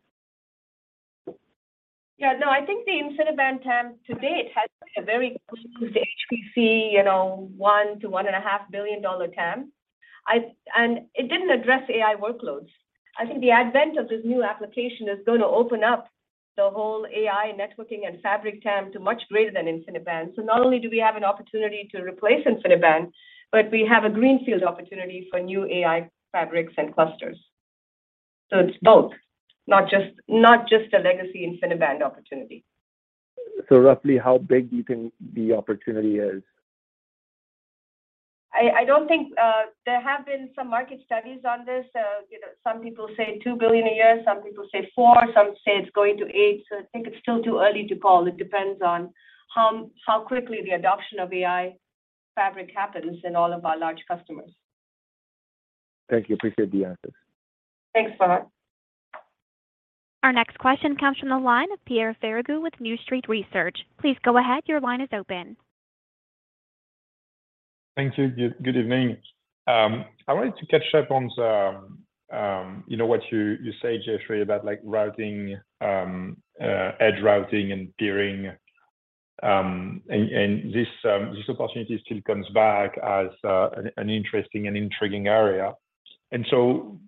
Yeah, no, I think the InfiniBand TAM to date has been a very close to HPC, you know, $1 billion-$1.5 billion TAM. It didn't address AI workloads. I think the advent of this new application is going to open up the whole AI networking and fabric TAM to much greater than InfiniBand. Not only do we have an opportunity to replace InfiniBand, but we have a greenfield opportunity for new AI fabrics and clusters. It's both, not just a legacy InfiniBand opportunity. Roughly how big do you think the opportunity is? I don't think. There have been some market studies on this. You know, some people say $2 billion a year, some people say $4, some say it's going to $8. I think it's still too early to call. It depends on how quickly the adoption of AI fabric happens in all of our large customers. Thank you. Appreciate the answers. Thanks, Fahad. Our next question comes from the line of Pierre Ferragu with New Street Research. Please go ahead, your line is open. Thank you. Good evening. I wanted to catch up on the, you know, what you said, Jayshree, about like routing, edge routing and peering. This opportunity still comes back as an interesting and intriguing area. So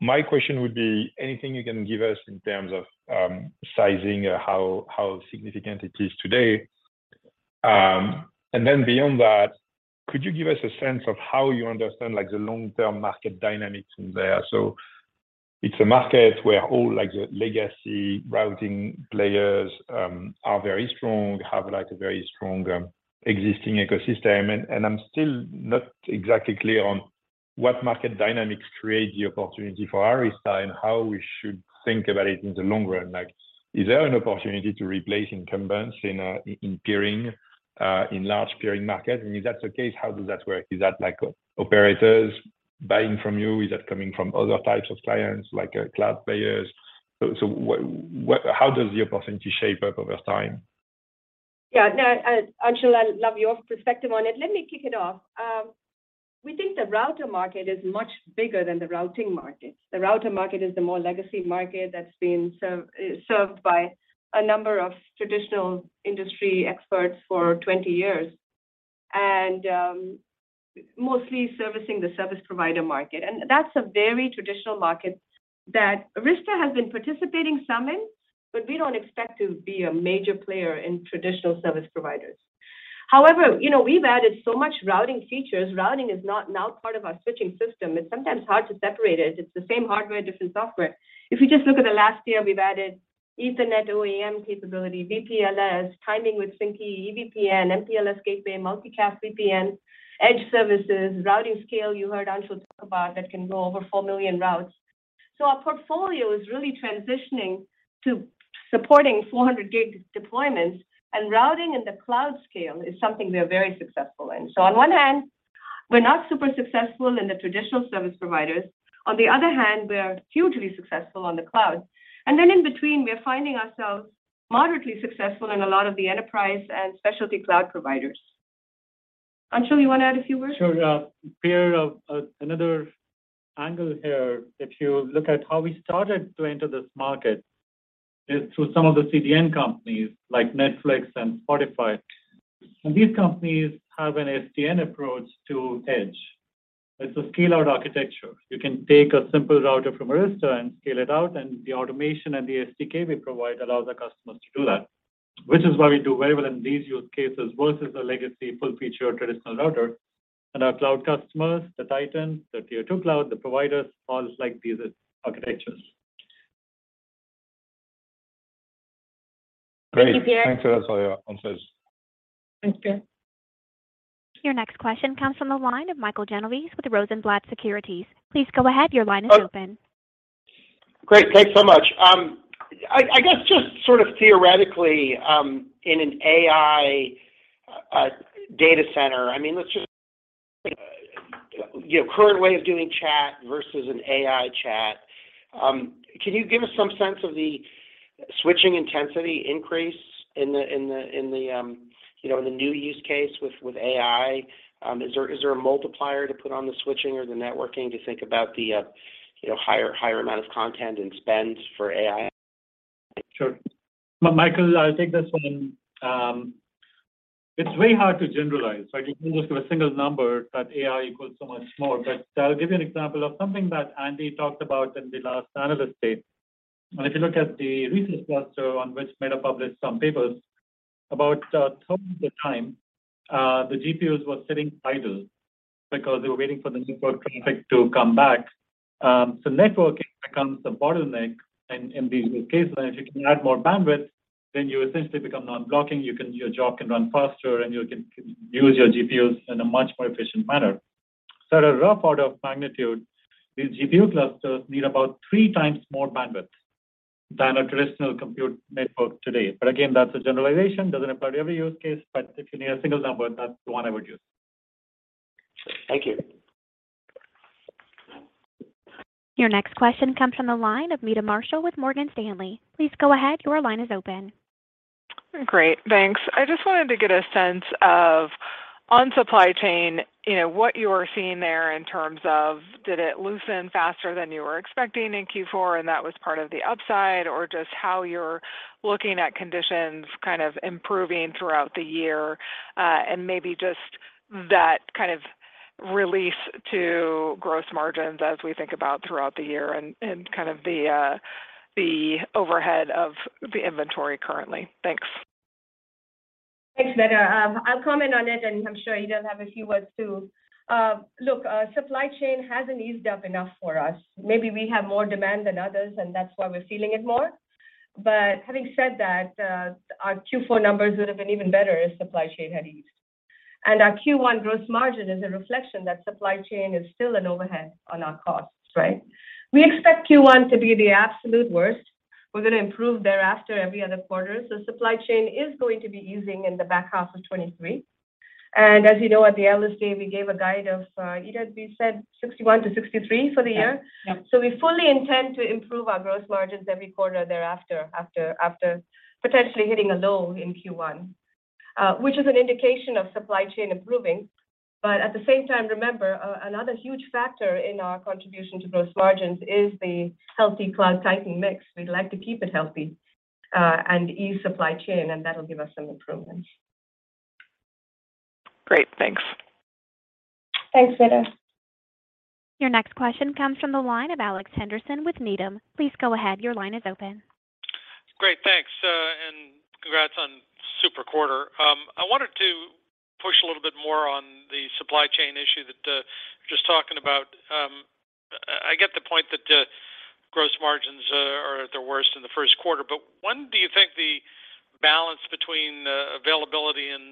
my question would be anything you can give us in terms of sizing or how significant it is today. Then beyond that, could you give us a sense of how you understand, like, the long-term market dynamics in there? It's a market where all, like, the legacy routing players are very strong, have, like, a very strong existing ecosystem. I'm still not exactly clear on what market dynamics create the opportunity for Arista and how we should think about it in the long run. Like, is there an opportunity to replace incumbents in peering, in large peering market? If that's the case, how does that work? Is that, like, operators buying from you? Is that coming from other types of clients, like, cloud players? What, how does the opportunity shape up over time? Yeah. No, Anshul, I'd love your perspective on it. Let me kick it off. We think the router market is much bigger than the routing market. The router market is the more legacy market that's been served by a number of traditional industry experts for 20 years, and mostly servicing the service provider market. That's a very traditional market that Arista has been participating some in, but we don't expect to be a major player in traditional service providers. However, you know, we've added so much routing features. Routing is not now part of our switching system. It's sometimes hard to separate it. It's the same hardware, different software. If you just look at the last year, we've added Ethernet OEM capability, VPLS, timing with SyncE, EVPN, MPLS gateway, multicast VPN, edge services, routing scale you heard Anshul talk about that can go over 4 million routes. Our portfolio is really transitioning to supporting 400 gig deployments, and routing in the cloud scale is something we're very successful in. On one hand, we're not super successful in the traditional service providers. On the other hand, we are hugely successful on the cloud. In between, we're finding ourselves moderately successful in a lot of the enterprise and specialty cloud providers. Anshul, you wanna add a few words? Sure. Pierre, another angle here, if you look at how we started to enter this market is through some of the CDN companies like Netflix and Spotify. These companies have an SDN approach to edge. It's a scale-out architecture. You can take a simple router from Arista and scale it out, and the automation and the SDK we provide allows our customers to do that, which is why we do very well in these use cases versus the legacy full feature traditional router. Our cloud customers, the Titan, the Tier 2 cloud, the providers, all like these architectures. Thank you, Pierre. Great. Thank you for your answers. Thanks, Pierre. Your next question comes from the line of Michael Genovese with Rosenblatt Securities. Please go ahead. Your line is open. Great. Thanks so much. I guess just sort of theoretically, in an AI data center, I mean, let's just, you know, current way of doing chat versus an AI chat, can you give us some sense of the switching intensity increase in the new use case with AI? Is there a multiplier to put on the switching or the networking to think about the, you know, higher amount of content and spend for AI? Sure. Michael, I'll take this one. It's very hard to generalize, right? You can almost give a single number that AI equals so much more. I'll give you an example of something that Andy talked about in the last analyst day. If you look at the resource cluster on which Meta published some papers, about 1/3 of the time, the GPUs were sitting idle because they were waiting for the network traffic to come back. Networking becomes a bottleneck in these use cases. If you can add more bandwidth, you essentially become non-blocking. Your job can run faster, and you can use your GPUs in a much more efficient manner. At a rough order of magnitude, these GPU clusters need about three times more bandwidth than a traditional compute network today. Again, that's a generalization. Doesn't apply to every use case, but if you need a single number, that's the one I would use. Thank you. Your next question comes from the line of Meta Marshall with Morgan Stanley. Please go ahead. Your line is open. Great. Thanks. I just wanted to get a sense of on supply chain, you know, what you are seeing there in terms of did it loosen faster than you were expecting in Q4, and that was part of the upside, or just how you're looking at conditions kind of improving throughout the year, and maybe just that kind of relief to gross margins as we think about throughout the year and kind of the overhead of the inventory currently. Thanks. Thanks, Meta. I'll comment on it, and I'm sure you'll have a few words too. Look, supply chain hasn't eased up enough for us. Maybe we have more demand than others, and that's why we're feeling it more. Having said that, our Q4 numbers would have been even better if supply chain had eased. Our Q1 gross margin is a reflection that supply chain is still an overhead on our costs, right? We expect Q1 to be the absolute worst. We're gonna improve thereafter every other quarter. Supply chain is going to be easing in the back half of 2023. As you know, at the analyst day, we gave a guide of 61%-63% for the year. Yeah. Yeah. We fully intend to improve our gross margins every quarter thereafter potentially hitting a low in Q1, which is an indication of supply chain improving. At the same time, remember, another huge factor in our contribution to gross margins is the healthy cloud titan mix. We'd like to keep it healthy, and ease supply chain, and that'll give us some improvements. Great. Thanks. Thanks, Meta. Your next question comes from the line of Alex Henderson with Needham. Please go ahead. Your line is open. Great, thanks. Congrats on super quarter. I wanted to push a little bit more on the supply chain issue that you're just talking about. I get the point that the gross margins are at their worst in the first quarter. When do you think the balance between availability and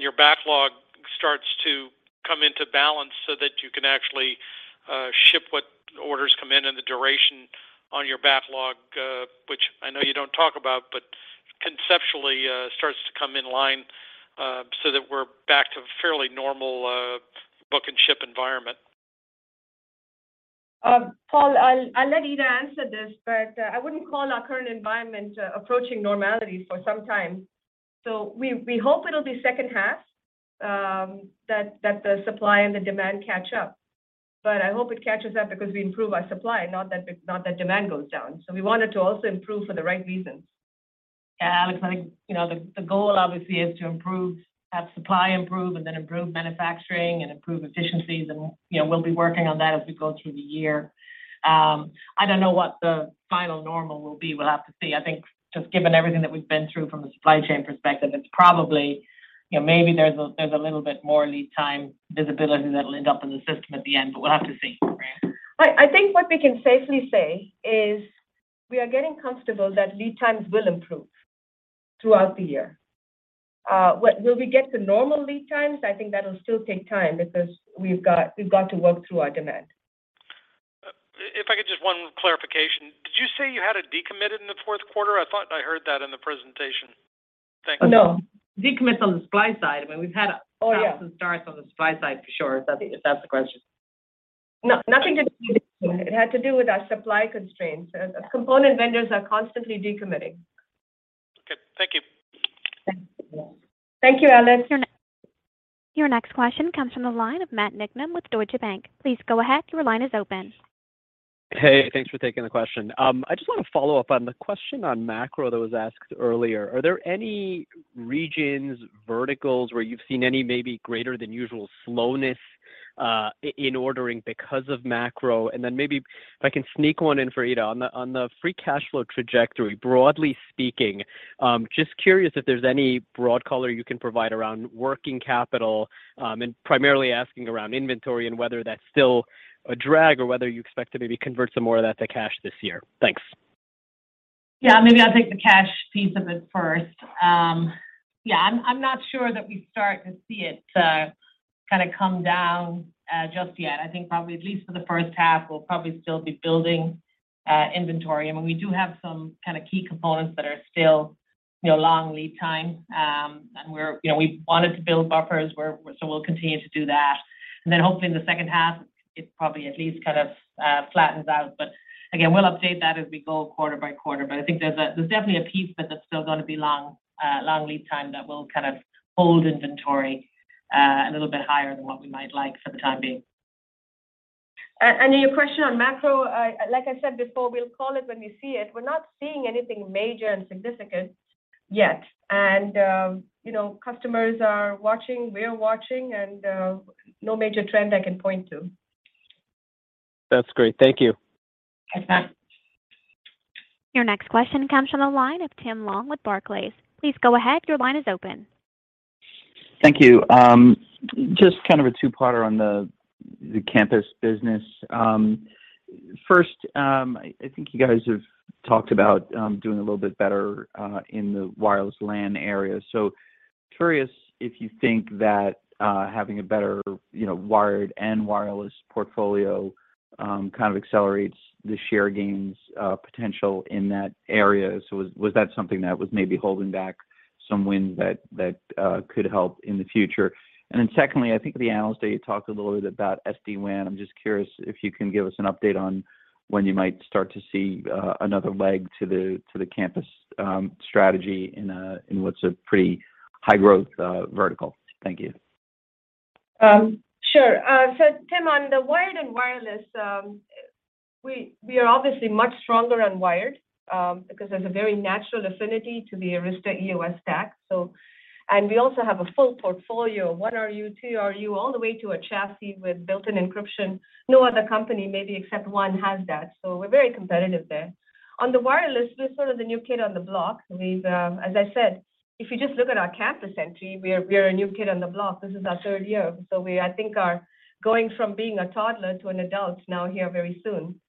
your backlog starts to come into balance so that you can actually ship what orders come in and the duration on your backlog, which I know you don't talk about, but conceptually, starts to come in line, so that we're back to a fairly normal book and ship environment? Paul, I'll let Ita answer this. I wouldn't call our current environment approaching normality for some time. We hope it'll be second half that the supply and the demand catch up. I hope it catches up because we improve our supply, not that demand goes down. We wanted to also improve for the right reasons. Yeah, Alex, I think, you know, the goal obviously is to improve, have supply improve, and then improve manufacturing and improve efficiencies, and, you know, we'll be working on that as we go through the year. I don't know what the final normal will be. We'll have to see. I think just given everything that we've been through from a supply chain perspective, it's probably, you know, maybe there's a little bit more lead time visibility that'll end up in the system at the end, but we'll have to see. I think what we can safely say is we are getting comfortable that lead times will improve throughout the year. Will we get to normal lead times? I think that'll still take time because we've got to work through our demand. If I could just one clarification. Did you say you had a decommitted in the fourth quarter? I thought I heard that in the presentation. Thank you. No. Decommit's on the supply side. I mean, Oh, yeah.... Stops and starts on the supply side for sure, if that's the question. No, nothing to do with it. It had to do with our supply constraints. Component vendors are constantly decommitting. Okay. Thank you. Thank you. Thank you, Alex. Your next question comes from the line of Matt Niknam with Deutsche Bank. Please go ahead. Your line is open. Hey, thanks for taking the question. I just want to follow up on the question on macro that was asked earlier. Are there any regions, verticals where you've seen any maybe greater than usual slowness in ordering because of macro? Maybe if I can sneak one in for Ita. On the free cash flow trajectory, broadly speaking, just curious if there's any broad color you can provide around working capital, and primarily asking around inventory and whether that's still a drag or whether you expect to maybe convert some more of that to cash this year. Thanks. Yeah, maybe I'll take the cash piece of it first. Yeah, I'm not sure that we start to see it come down just yet. I think probably at least for the first half, we'll probably still be building inventory. I mean, we do have some kind of key components that are still, you know, long lead time. We're, you know, we wanted to build buffers, so we'll continue to do that. Hopefully in the second half, it probably at least kind of flattens out. Again, we'll update that as we go quarter-by-quarter. I think there's definitely a piece, but that's still gonna be long long lead time that will kind of hold inventory a little bit higher than what we might like for the time being. Your question on macro, like I said before, we'll call it when we see it. We're not seeing anything major and significant yet. You know, customers are watching, we're watching, and no major trend I can point to. That's great. Thank you. Thanks, Matt. Your next question comes from the line of Tim Long with Barclays. Please go ahead. Your line is open. Thank you. Just kind of a two-parter on the campus business. First, I think you guys have talked about doing a little bit better in the wireless LAN area. Curious if you think that having a better, you know, wired and wireless portfolio kind of accelerates the share gains potential in that area? Was that something that was maybe holding back some wind that could help in the future? Secondly, I think the analyst day talked a little bit about SD-WAN. I'm just curious if you can give us an update on when you might start to see another leg to the campus strategy in what's a pretty high growth vertical? Thank you. Sure. Tim, on the wired and wireless, we are obviously much stronger on wired, because there's a very natural affinity to the Arista EOS stack. We also have a full portfolio, 1RU, 2RU, all the way to a chassis with built-in encryption. No other company maybe except one has that. We're very competitive there. On the wireless, we're sort of the new kid on the block. We've, as I said, if you just look at our campus entry, we are a new kid on the block. This is our third year. We, I think are going from being a toddler to an adult now here very soon.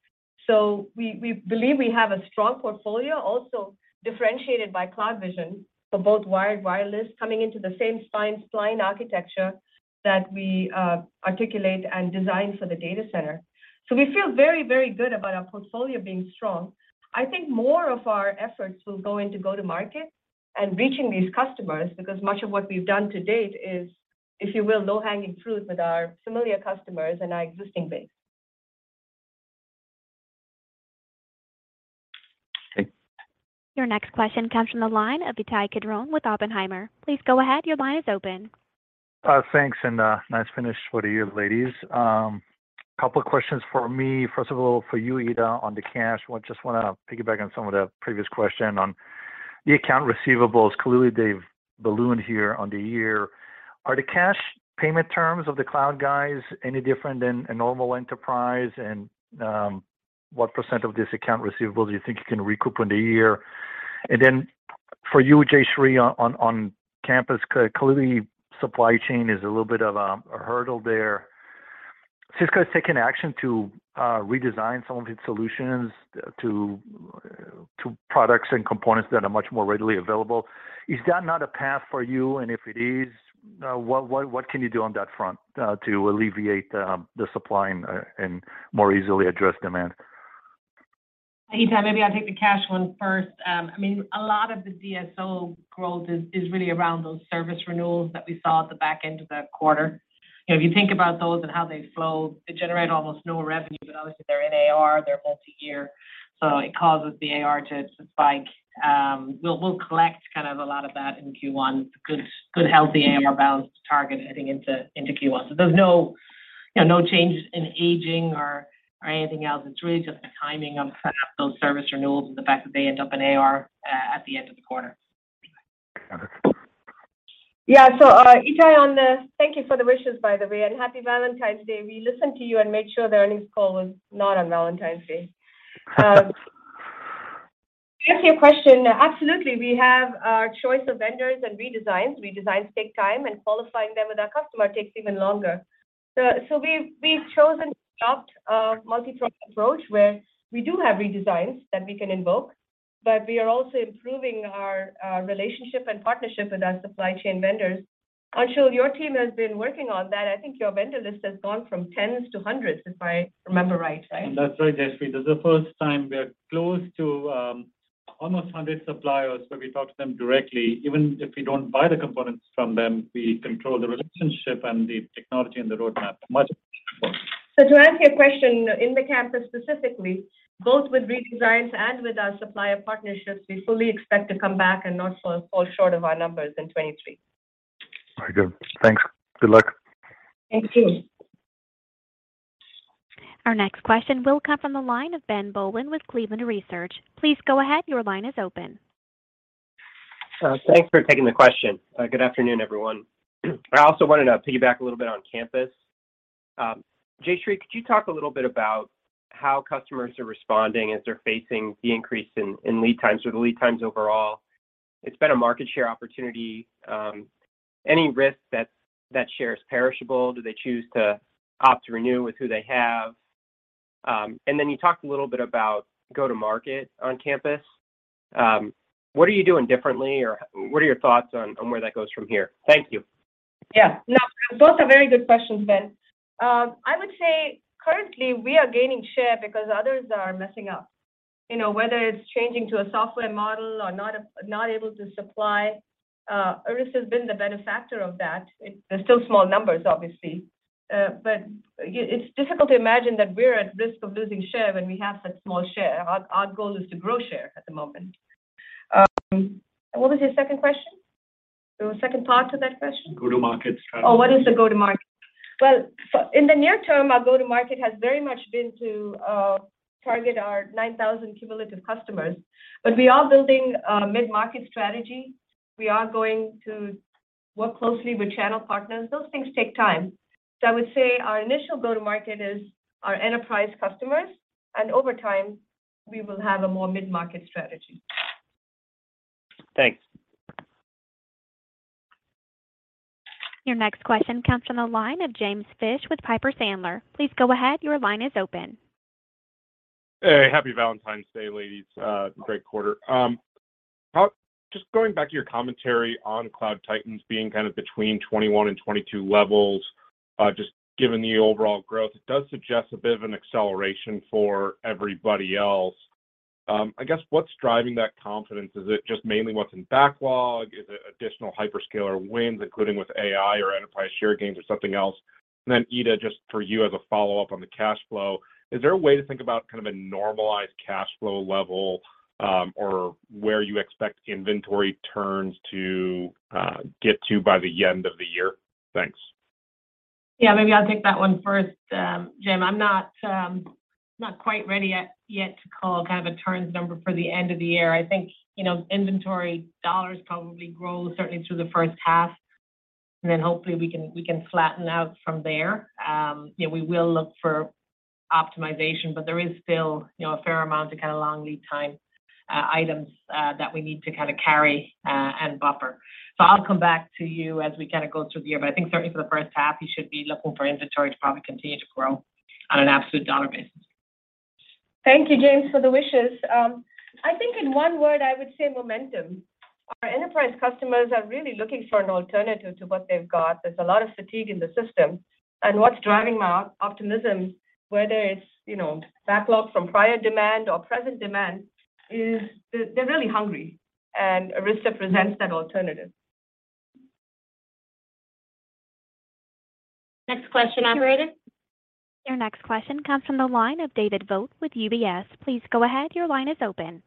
We believe we have a strong portfolio also differentiated by CloudVision for both wired, wireless coming into the same spine, spline architecture that we articulate and design for the data center. We feel very good about our portfolio being strong. I think more of our efforts will go into go-to-market and reaching these customers because much of what we've done to date is, if you will, low-hanging fruit with our familiar customers and our existing base. Thanks. Your next question comes from the line of Ittai Kidron with Oppenheimer. Please go ahead. Your line is open. Thanks, and nice finish for you ladies. Couple of questions for me. First of all, for you, Ita, on the cash. Just wanna piggyback on some of the previous question on The account receivables, clearly they've ballooned here on the year. Are the cash payment terms of the cloud guys any different than a normal enterprise? What % of this account receivable do you think you can recoup in a year? For you, Jayshree, on campus, clearly supply chain is a little bit of a hurdle there. Cisco's taken action to redesign some of its solutions to products and components that are much more readily available. Is that not a path for you? If it is, what can you do on that front to alleviate the supply and more easily address demand? Itta, maybe I'll take the cash one first. I mean, a lot of the DSO growth is really around those service renewals that we saw at the back end of the quarter. You know, if you think about those and how they flow, they generate almost no revenue, but obviously they're in AR, they're multi-year, so it causes the AR to spike. We'll collect kind of a lot of that in Q1. Good healthy AR balance to target heading into Q1. There's no, you know, no changes in aging or anything else. It's really just the timing of those service renewals and the fact that they end up in AR at the end of the quarter. Got it. Itta on the... Thank you for the wishes by the way, and Happy Valentine's Day. We listened to you and made sure the earnings call was not on Valentine's Day. To answer your question, absolutely. We have our choice of vendors and redesigns. Redesigns take time, and qualifying them with our customer takes even longer. We've chosen to adopt a multi-track approach where we do have redesigns that we can invoke, but we are also improving our relationship and partnership with our supply chain vendors. Anshul, your team has been working on that. I think your vendor list has gone from tens to hundreds, if I remember right? That's right, Jayshree. This is the first time we are close to, almost 100 suppliers where we talk to them directly. Even if we don't buy the components from them, we control the relationship and the technology and the roadmap much more. To answer your question, in the campus specifically, both with redesigns and with our supplier partnerships, we fully expect to come back and not fall short of our numbers in 2023. Very good. Thanks. Good luck. Thank you. Our next question will come from the line of Ben Bollin with Cleveland Research. Please go ahead. Your line is open. Thanks for taking the question. Good afternoon, everyone. I also wanted to piggyback a little bit on campus. Jayshree, could you talk a little bit about how customers are responding as they're facing the increase in lead times or the lead times overall? It's been a market share opportunity. Any risk that that share is perishable? Do they choose to opt to renew with who they have? Then you talked a little bit about go-to-market on campus. What are you doing differently or what are your thoughts on where that goes from here? Thank you. Yeah. No, those are very good questions, Ben. I would say currently we are gaining share because others are messing up. You know, whether it's changing to a software model or not able to supply, Arista's been the benefactor of that. They're still small numbers obviously. But it's difficult to imagine that we're at risk of losing share when we have such small share. Our goal is to grow share at the moment. What was your second question? There was a second part to that question. Go-to-market strategy. What is the go-to-market? In the near term, our go-to-market has very much been to target our 9,000 cumulative customers. We are building a mid-market strategy. We are going to work closely with channel partners. Those things take time. I would say our initial go-to-market is our enterprise customers, and over time we will have a more mid-market strategy. Thanks. Your next question comes from the line of James Fish with Piper Sandler. Please go ahead. Your line is open. Hey, happy Valentine's Day, ladies. Great quarter. Just going back to your commentary on cloud titans being kind of between 2021 and 2022 levels, just given the overall growth, it does suggest a bit of an acceleration for everybody else. I guess what's driving that confidence? Is it just mainly what's in backlog? Is it additional hyperscaler wins, including with AI or enterprise share gains or something else? Ita, just for you as a follow-up on the cash flow, is there a way to think about kind of a normalized cash flow level, or where you expect inventory turns to get to by the end of the year? Thanks. Yeah, maybe I'll take that one first, Jim. I'm not not quite ready yet to call kind of a turns number for the end of the year. I think, you know, inventory dollars probably grow certainly through the first half, and then hopefully we can flatten out from there. You know, we will look for optimization, but there is still, you know, a fair amount of kind of long lead time items that we need to kind of carry and buffer. I'll come back to you as we kind of go through the year, but I think certainly for the first half, you should be looking for inventory to probably continue to grow on an absolute dollar basis. Thank you, James, for the wishes. I think in one word, I would say momentum. Our enterprise customers are really looking for an alternative to what they've got. There's a lot of fatigue in the system. What's driving our optimism, whether it's, you know, backlog from prior demand or present demand, is they're really hungry, and Arista presents that alternative. Next question, operator. Your next question comes from the line of David Vogt with UBS. Please go ahead. Your line is open.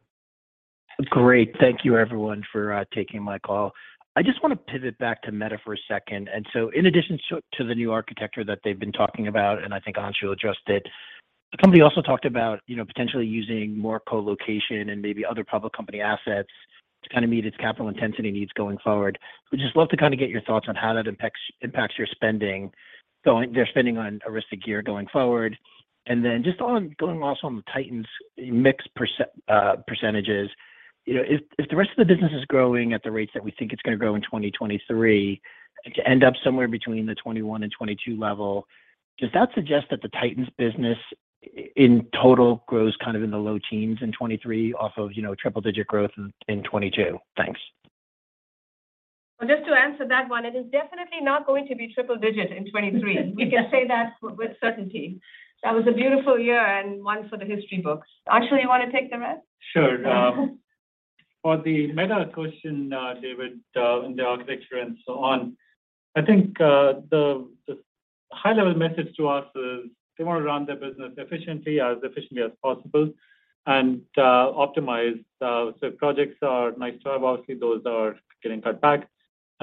Great. Thank you everyone for taking my call. I just wanna pivot back to Meta for a second. In addition to the new architecture that they've been talking about, and I think Anshul addressed it The company also talked about, you know, potentially using more colocation and maybe other public company assets to kind of meet its capital intensity needs going forward. We'd just love to kind of get your thoughts on how that impacts your spending their spending on Arista gear going forward? Just on going also on the Titans mix percentages. You know, if the rest of the business is growing at the rates that we think it's gonna grow in 2023 to end up somewhere between the 2021 and 2022 level, does that suggest that the Titans business in total grows kind of in the low teens in 2023 off of, you know, triple digit growth in 2022? Thanks. Just to answer that one, it is definitely not going to be triple digit in 2023. We can say that with certainty. That was a beautiful year and one for the history books. Anshul, you want to take the rest? Sure. For the Meta question, David, in the architecture and so on, I think the high level message to us is they want to run their business efficiently, as efficiently as possible and optimize. Projects are nice to have. Obviously, those are getting cut back.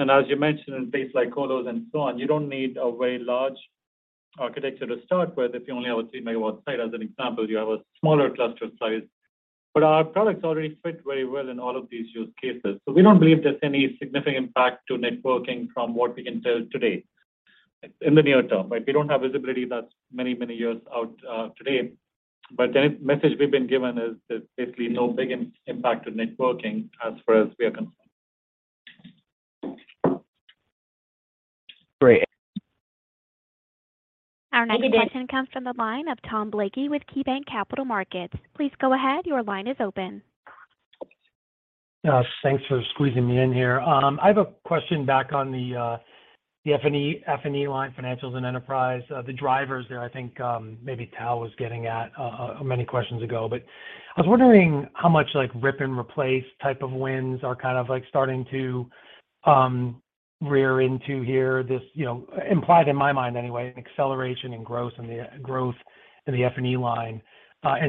As you mentioned, in places like Colos and so on, you don't need a very large architecture to start with. If you only have a 3 MW site as an example, you have a smaller cluster size. Our products already fit very well in all of these use cases. We don't believe there's any significant impact to networking from what we can tell today in the near term, right? We don't have visibility that's many, many years out today. The message we've been given is there's basically no big impact to networking as far as we are concerned. Great. Our next question comes from the line of Tom Blakey with KeyBanc Capital Markets. Please go ahead. Your line is open. Thanks for squeezing me in here. I have a question back on the F&E line, financials and enterprise, the drivers there I think, maybe Tal was getting at many questions ago. I was wondering how much like rip and replace type of wins are kind of like starting to rear into here. This, you know, implied in my mind anyway, an acceleration in growth in the F&E line.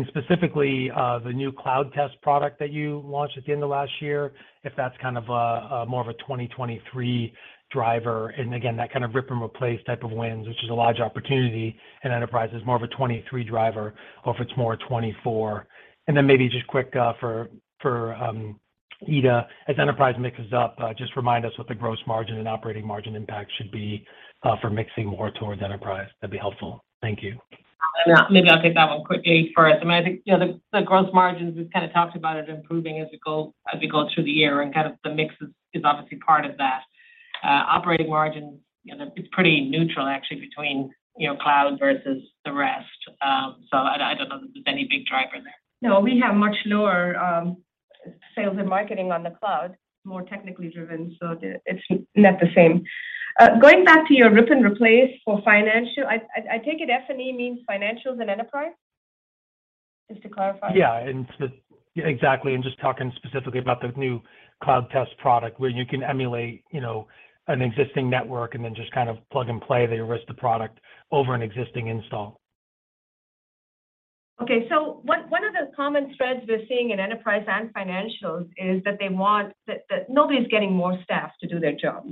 Specifically, the new Cloud Test product that you launched at the end of last year, if that's kind of a more of a 2023 driver? That kind of rip and replace type of wins, which is a large opportunity in enterprise, is more of a 2023 driver or if it's more a 24? Maybe just quick, for, Ita, as enterprise mixes up, just remind us what the gross margin and operating margin impact should be, for mixing more towards enterprise. That'd be helpful. Thank you. Maybe I'll take that one quickly first. I mean, I think, you know, the gross margins we've kind of talked about are improving as we go through the year and kind of the mix is obviously part of that. Operating margin, you know, it's pretty neutral actually between, you know, cloud versus the rest. I don't know that there's any big driver there. No, we have much lower sales and marketing on the cloud. It's more technically driven, so the it's not the same. Going back to your rip and replace for financial, I take it F&E means financials and enterprise? Just to clarify. Yeah. Exactly. I'm just talking specifically about the new Cloud Test product where you can emulate, you know, an existing network and then just kind of plug and play the Arista product over an existing install. Okay. One of the common threads we're seeing in enterprise and financials is that nobody's getting more staff to do their job.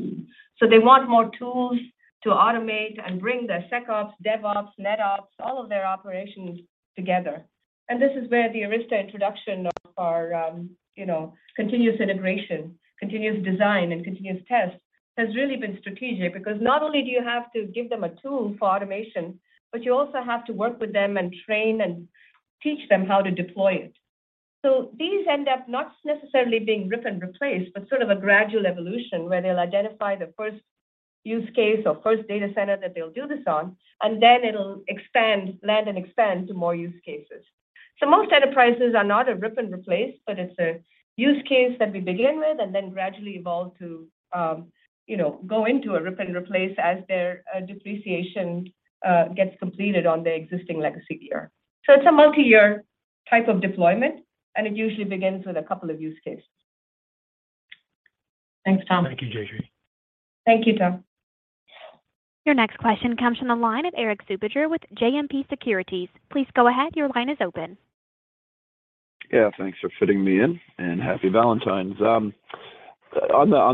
They want more tools to automate and bring their SecOps, DevOps, NetOps, all of their operations together. This is where the Arista introduction of our, you know, continuous integration, continuous design, and continuous test has really been strategic. Because not only do you have to give them a tool for automation. You also have to work with them and train and teach them how to deploy it. These end up not necessarily being rip and replaced, but sort of a gradual evolution where they'll identify the first use case or first data center that they'll do this on, and then it'll expand, land and expand to more use cases. Most enterprises are not a rip and replace, but it's a use case that we begin with and then gradually evolve to, you know, go into a rip and replace as their depreciation gets completed on their existing legacy gear. It's a multi-year type of deployment, and it usually begins with a couple of use cases. Thanks, Tom. Thank you, Jay. Thank you, Tom. Your next question comes from the line of Erik Suppiger with JMP Securities. Please go ahead. Your line is open. Yeah, thanks for fitting me in, and Happy Valentine's. On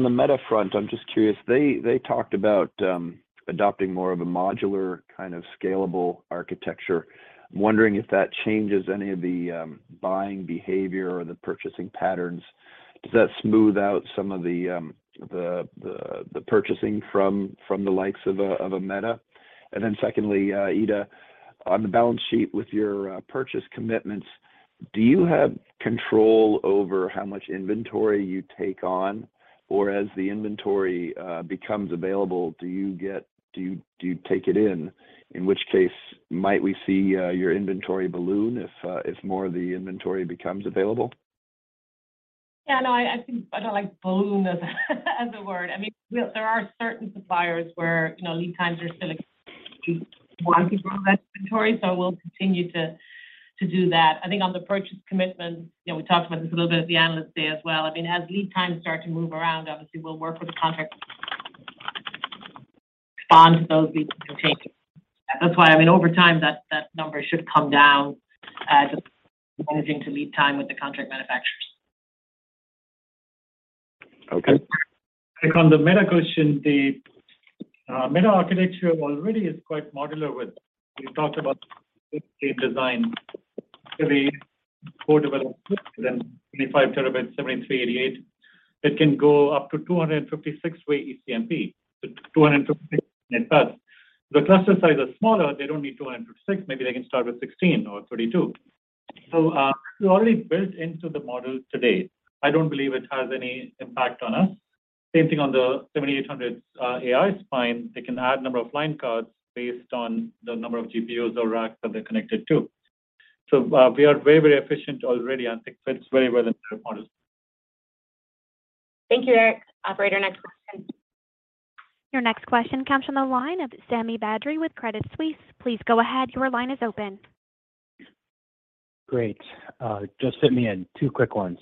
the Meta front, I'm just curious. They talked about adopting more of a modular, kind of scalable architecture. I'm wondering if that changes any of the buying behavior or the purchasing patterns. Does that smooth out some of the purchasing from the likes of a Meta? Secondly, Ita, on the balance sheet with your purchase commitments, do you have control over how much inventory you take on? Or as the inventory becomes available, do you take it in? In which case, might we see your inventory balloon if more of the inventory becomes available? Yeah, no, I think I don't like balloon as a word. I mean, there are certain suppliers where, you know, lead times are still respond to those leads and take it. That's why, I mean, over time, that number should come down, just managing to lead time with the contract manufacturers. Okay. On the Meta question, the Meta architecture already is quite modular. We talked about the design, the core development within 25 Tb, 7388. It can go up to 256-way ECMP. 250. The cluster sizes are smaller, they don't need 256, maybe they can start with 16 or 32. We already built into the model today. I don't believe it has any impact on us. Same thing on the 7800 AI spine, they can add number of line cards based on the number of GPUs or racks that they're connected to. We are very, very efficient already, I think fits very well into their models. Thank you, Erik. Operator, next question. Your next question comes from the line of Sami Badri with Credit Suisse. Please go ahead, your line is open. Great. Just let me in. Two quick ones.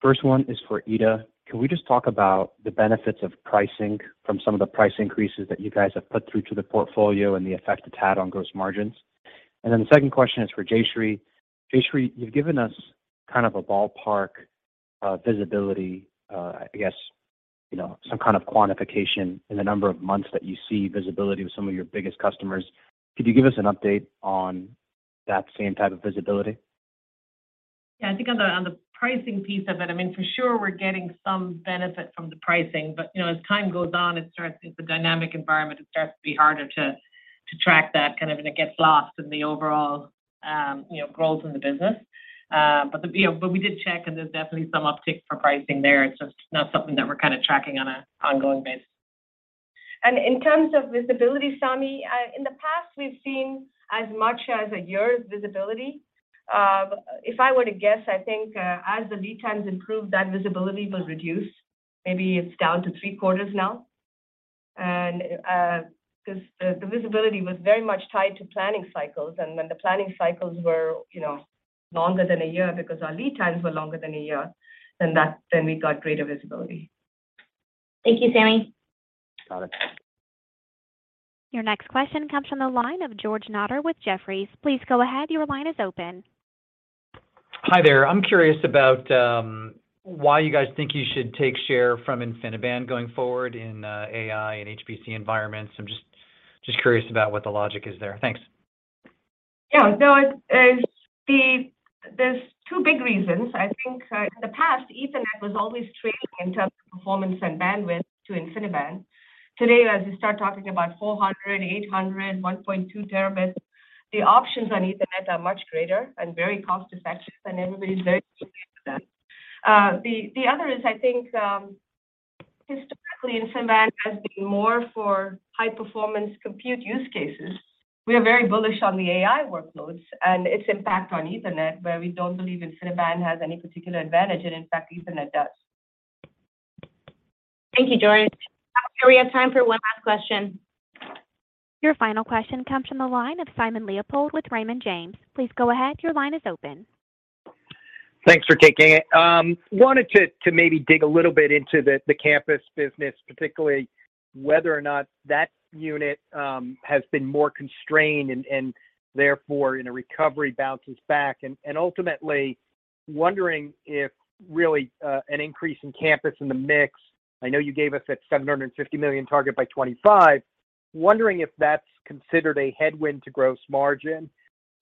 First one is for Ita. Can we just talk about the benefits of pricing from some of the price increases that you guys have put through to the portfolio and the effect it's had on gross margins? The second question is for Jayshree. Jayshree, you've given us kind of a ballpark, visibility, I guess, you know, some kind of quantification in the number of months that you see visibility with some of your biggest customers. Could you give us an update on that same type of visibility? Yeah. I think on the, on the pricing piece of it, I mean, for sure we're getting some benefit from the pricing, you know, as time goes on, it's a dynamic environment, it starts to be harder to track that, kind of, and it gets lost in the overall, you know, growth in the business. You know, we did check, and there's definitely some uptick for pricing there. It's just not something that we're kinda tracking on a ongoing basis. In terms of visibility, Sami, in the past we've seen as much as a year's visibility. If I were to guess, I think, as the lead times improved, that visibility was reduced. Maybe it's down to three quarters now. 'Cause the visibility was very much tied to planning cycles, and when the planning cycles were, you know, longer than a year because our lead times were longer than a year, then we got greater visibility. Thank you, Sami. Got it. Your next question comes from the line of George Notter with Jefferies. Please go ahead, your line is open. Hi there. I'm curious about why you guys think you should take share from InfiniBand going forward in AI and HPC environments? I'm just curious about what the logic is there. Thanks. Yeah. No, there's two big reasons. I think, in the past, Ethernet was always trading in terms of performance and bandwidth to InfiniBand. Today, as you start talking about 400, 800, 1.2 Tb, the options on Ethernet are much greater and very cost effective, and everybody's very used to that. The other is I think, historically InfiniBand has been more for high performance compute use cases. We are very bullish on the AI workloads and its impact on Ethernet, where we don't believe InfiniBand has any particular advantage, and in fact, Ethernet does. Thank you, George. We have time for one last question. Your final question comes from the line of Simon Leopold with Raymond James. Please go ahead, your line is open. Thanks for taking it. Wanted to maybe dig a little bit into the campus business, particularly whether or not that unit has been more constrained and therefore in a recovery bounces back. ultimately wondering if really an increase in campus in the mix, I know you gave us that $750 million target by 2025. Wondering if that's considered a headwind to gross margin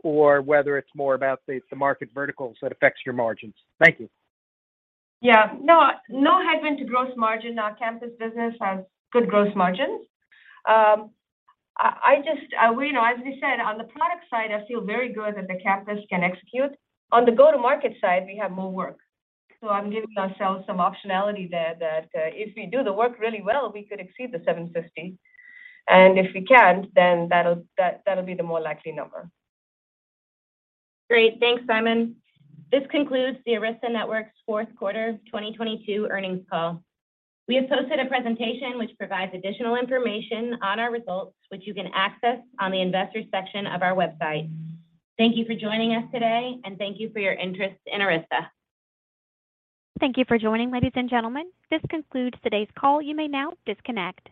or whether it's more about, say, it's the market verticals that affects your margins. Thank you. Yeah. No, no headwind to gross margin. Our campus business has good gross margins. I just, you know, as we said, on the product side, I feel very good that the campus can execute. On the go-to-market side, we have more work. I'm giving ourselves some optionality there that, if we do the work really well, we could exceed the 750. If we can't, then that'll be the more likely number. Great. Thanks, Simon. This concludes the Arista Networks fourth quarter 2022 earnings call. We have posted a presentation which provides additional information on our results, which you can access on the investors section of our website. Thank you for joining us today, thank you for your interest in Arista. Thank you for joining, ladies and gentlemen. This concludes today's call. You may now disconnect.